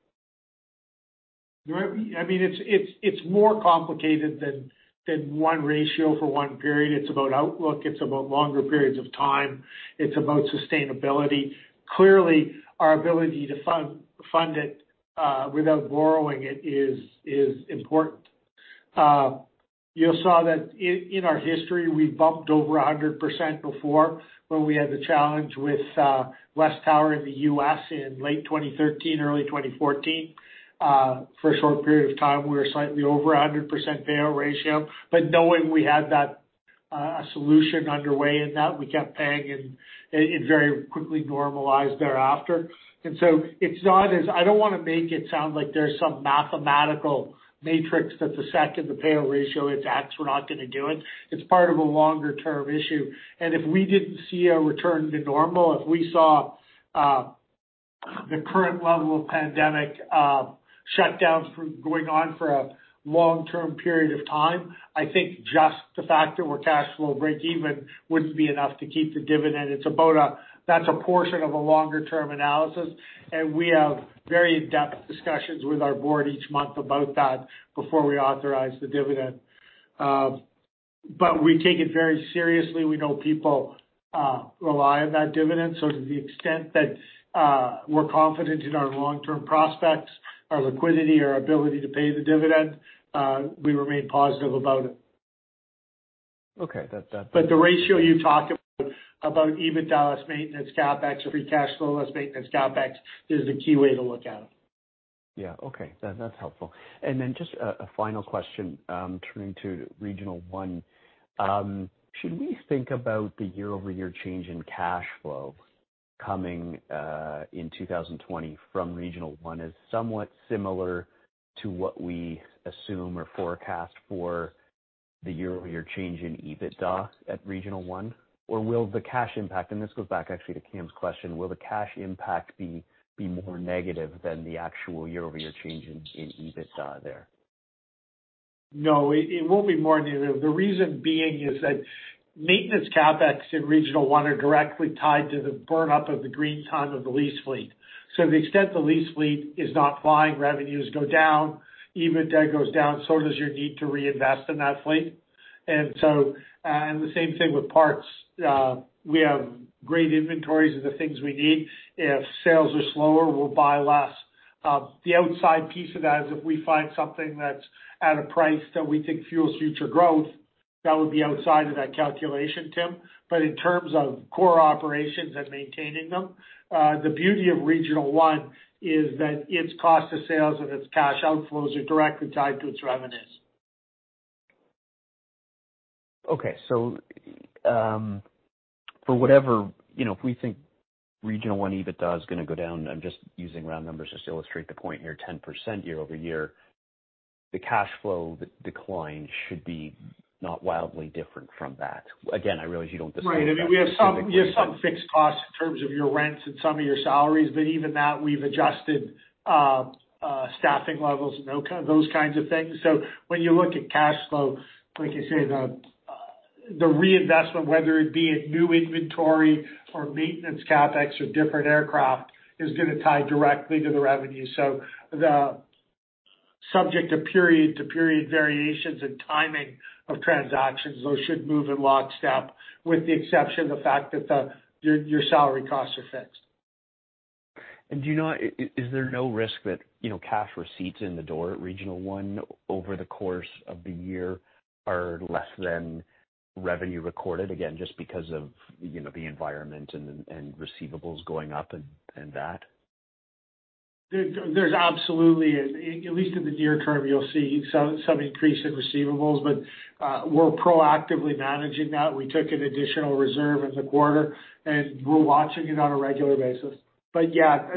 It's more complicated than one ratio for one period. It's about outlook. It's about longer periods of time. It's about sustainability. Clearly, our ability to fund it without borrowing it is important. You saw that in our history, we bumped over 100% before, when we had the challenge with WesTower in the U.S. in late 2013, early 2014. For a short period of time, we were slightly over 100% payout ratio. Knowing we had that solution underway in that, we kept paying, and it very quickly normalized thereafter. I don't want to make it sound like there's some mathematical matrix that's a second to payout ratio, it's X, we're not going to do it. It's part of a longer-term issue, and if we didn't see a return to normal, if we saw the current level of pandemic shutdowns going on for a long-term period of time, I think just the fact that we're cash flow breakeven wouldn't be enough to keep the dividend. That's a portion of a longer-term analysis, and we have very in-depth discussions with our board each month about that before we authorize the dividend. We take it very seriously. We know people rely on that dividend. To the extent that we're confident in our long-term prospects, our liquidity, our ability to pay the dividend, we remain positive about it. Okay. The ratio you talk about, EBITDA less maintenance CapEx or free cash flow less maintenance CapEx is the key way to look at it. Yeah. Okay. That's helpful. Just a final question, turning to Regional One. Should we think about the year-over-year change in cash flow coming in 2020 from Regional One as somewhat similar to what we assume or forecast for the year-over-year change in EBITDA at Regional One? Will the cash impact, and this goes back actually to Cameron's question, will the cash impact be more negative than the actual year-over-year change in EBITDA there? No, it will be more negative. The reason being is that maintenance CapEx in Regional One are directly tied to the burn up of the green time of the lease fleet. To the extent the lease fleet is not flying, revenues go down, EBITDA goes down, so does your need to reinvest in that fleet. The same thing with parts. We have great inventories of the things we need. If sales are slower, we'll buy less. The outside piece of that is if we find something that's at a price that we think fuels future growth, that would be outside of that calculation, Tim. In terms of core operations and maintaining them, the beauty of Regional One is that its cost of sales and its cash outflows are directly tied to its revenues. Okay. If we think Regional One EBITDA is going to go down, I'm just using round numbers just to illustrate the point here, 10% year-over-year, the cash flow decline should be not wildly different from that. Again, I realize you don't discuss that specifically. Right. We have some fixed costs in terms of your rents and some of your salaries, but even that, we've adjusted staffing levels and those kinds of things. When you look at cash flow, like you say, the reinvestment, whether it be in new inventory or maintenance CapEx or different aircraft, is going to tie directly to the revenue. Subject to period-to-period variations and timing of transactions. Those should move in lockstep, with the exception of the fact that your salary costs are fixed. Is there no risk that cash receipts in the door at Regional One over the course of the year are less than revenue recorded, again, just because of the environment and receivables going up and that? There's absolutely, at least in the near term, you'll see some increase in receivables. We're proactively managing that. We took an additional reserve in the quarter, and we're watching it on a regular basis. Yeah,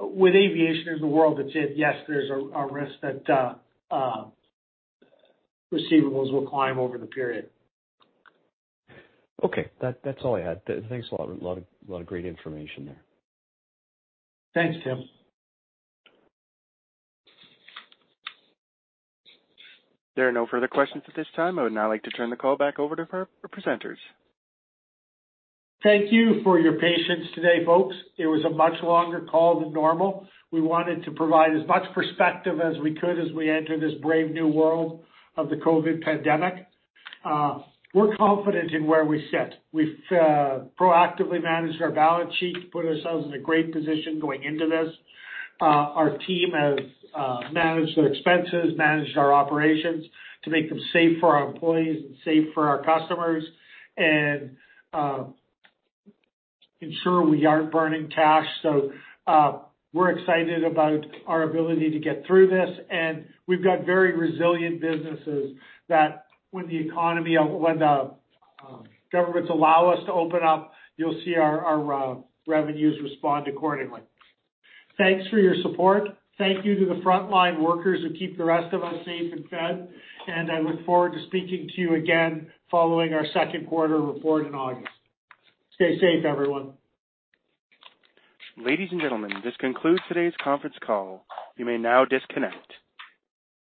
with aviation as the world that's in, yes, there's a risk that receivables will climb over the period. Okay. That's all I had. Thanks a lot. A lot of great information there. Thanks, Tim. There are no further questions at this time. I would now like to turn the call back over to our presenters. Thank you for your patience today, folks. It was a much longer call than normal. We wanted to provide as much perspective as we could as we enter this brave new world of the COVID pandemic. We're confident in where we sit. We've proactively managed our balance sheet, put ourselves in a great position going into this. Our team has managed their expenses, managed our operations to make them safe for our employees and safe for our customers, and ensure we aren't burning cash. We're excited about our ability to get through this, and we've got very resilient businesses that when the governments allow us to open up, you'll see our revenues respond accordingly. Thanks for your support. Thank you to the frontline workers who keep the rest of us safe and fed, and I look forward to speaking to you again following our second quarter report in August. Stay safe, everyone. Ladies and gentlemen, this concludes today's conference call. You may now disconnect.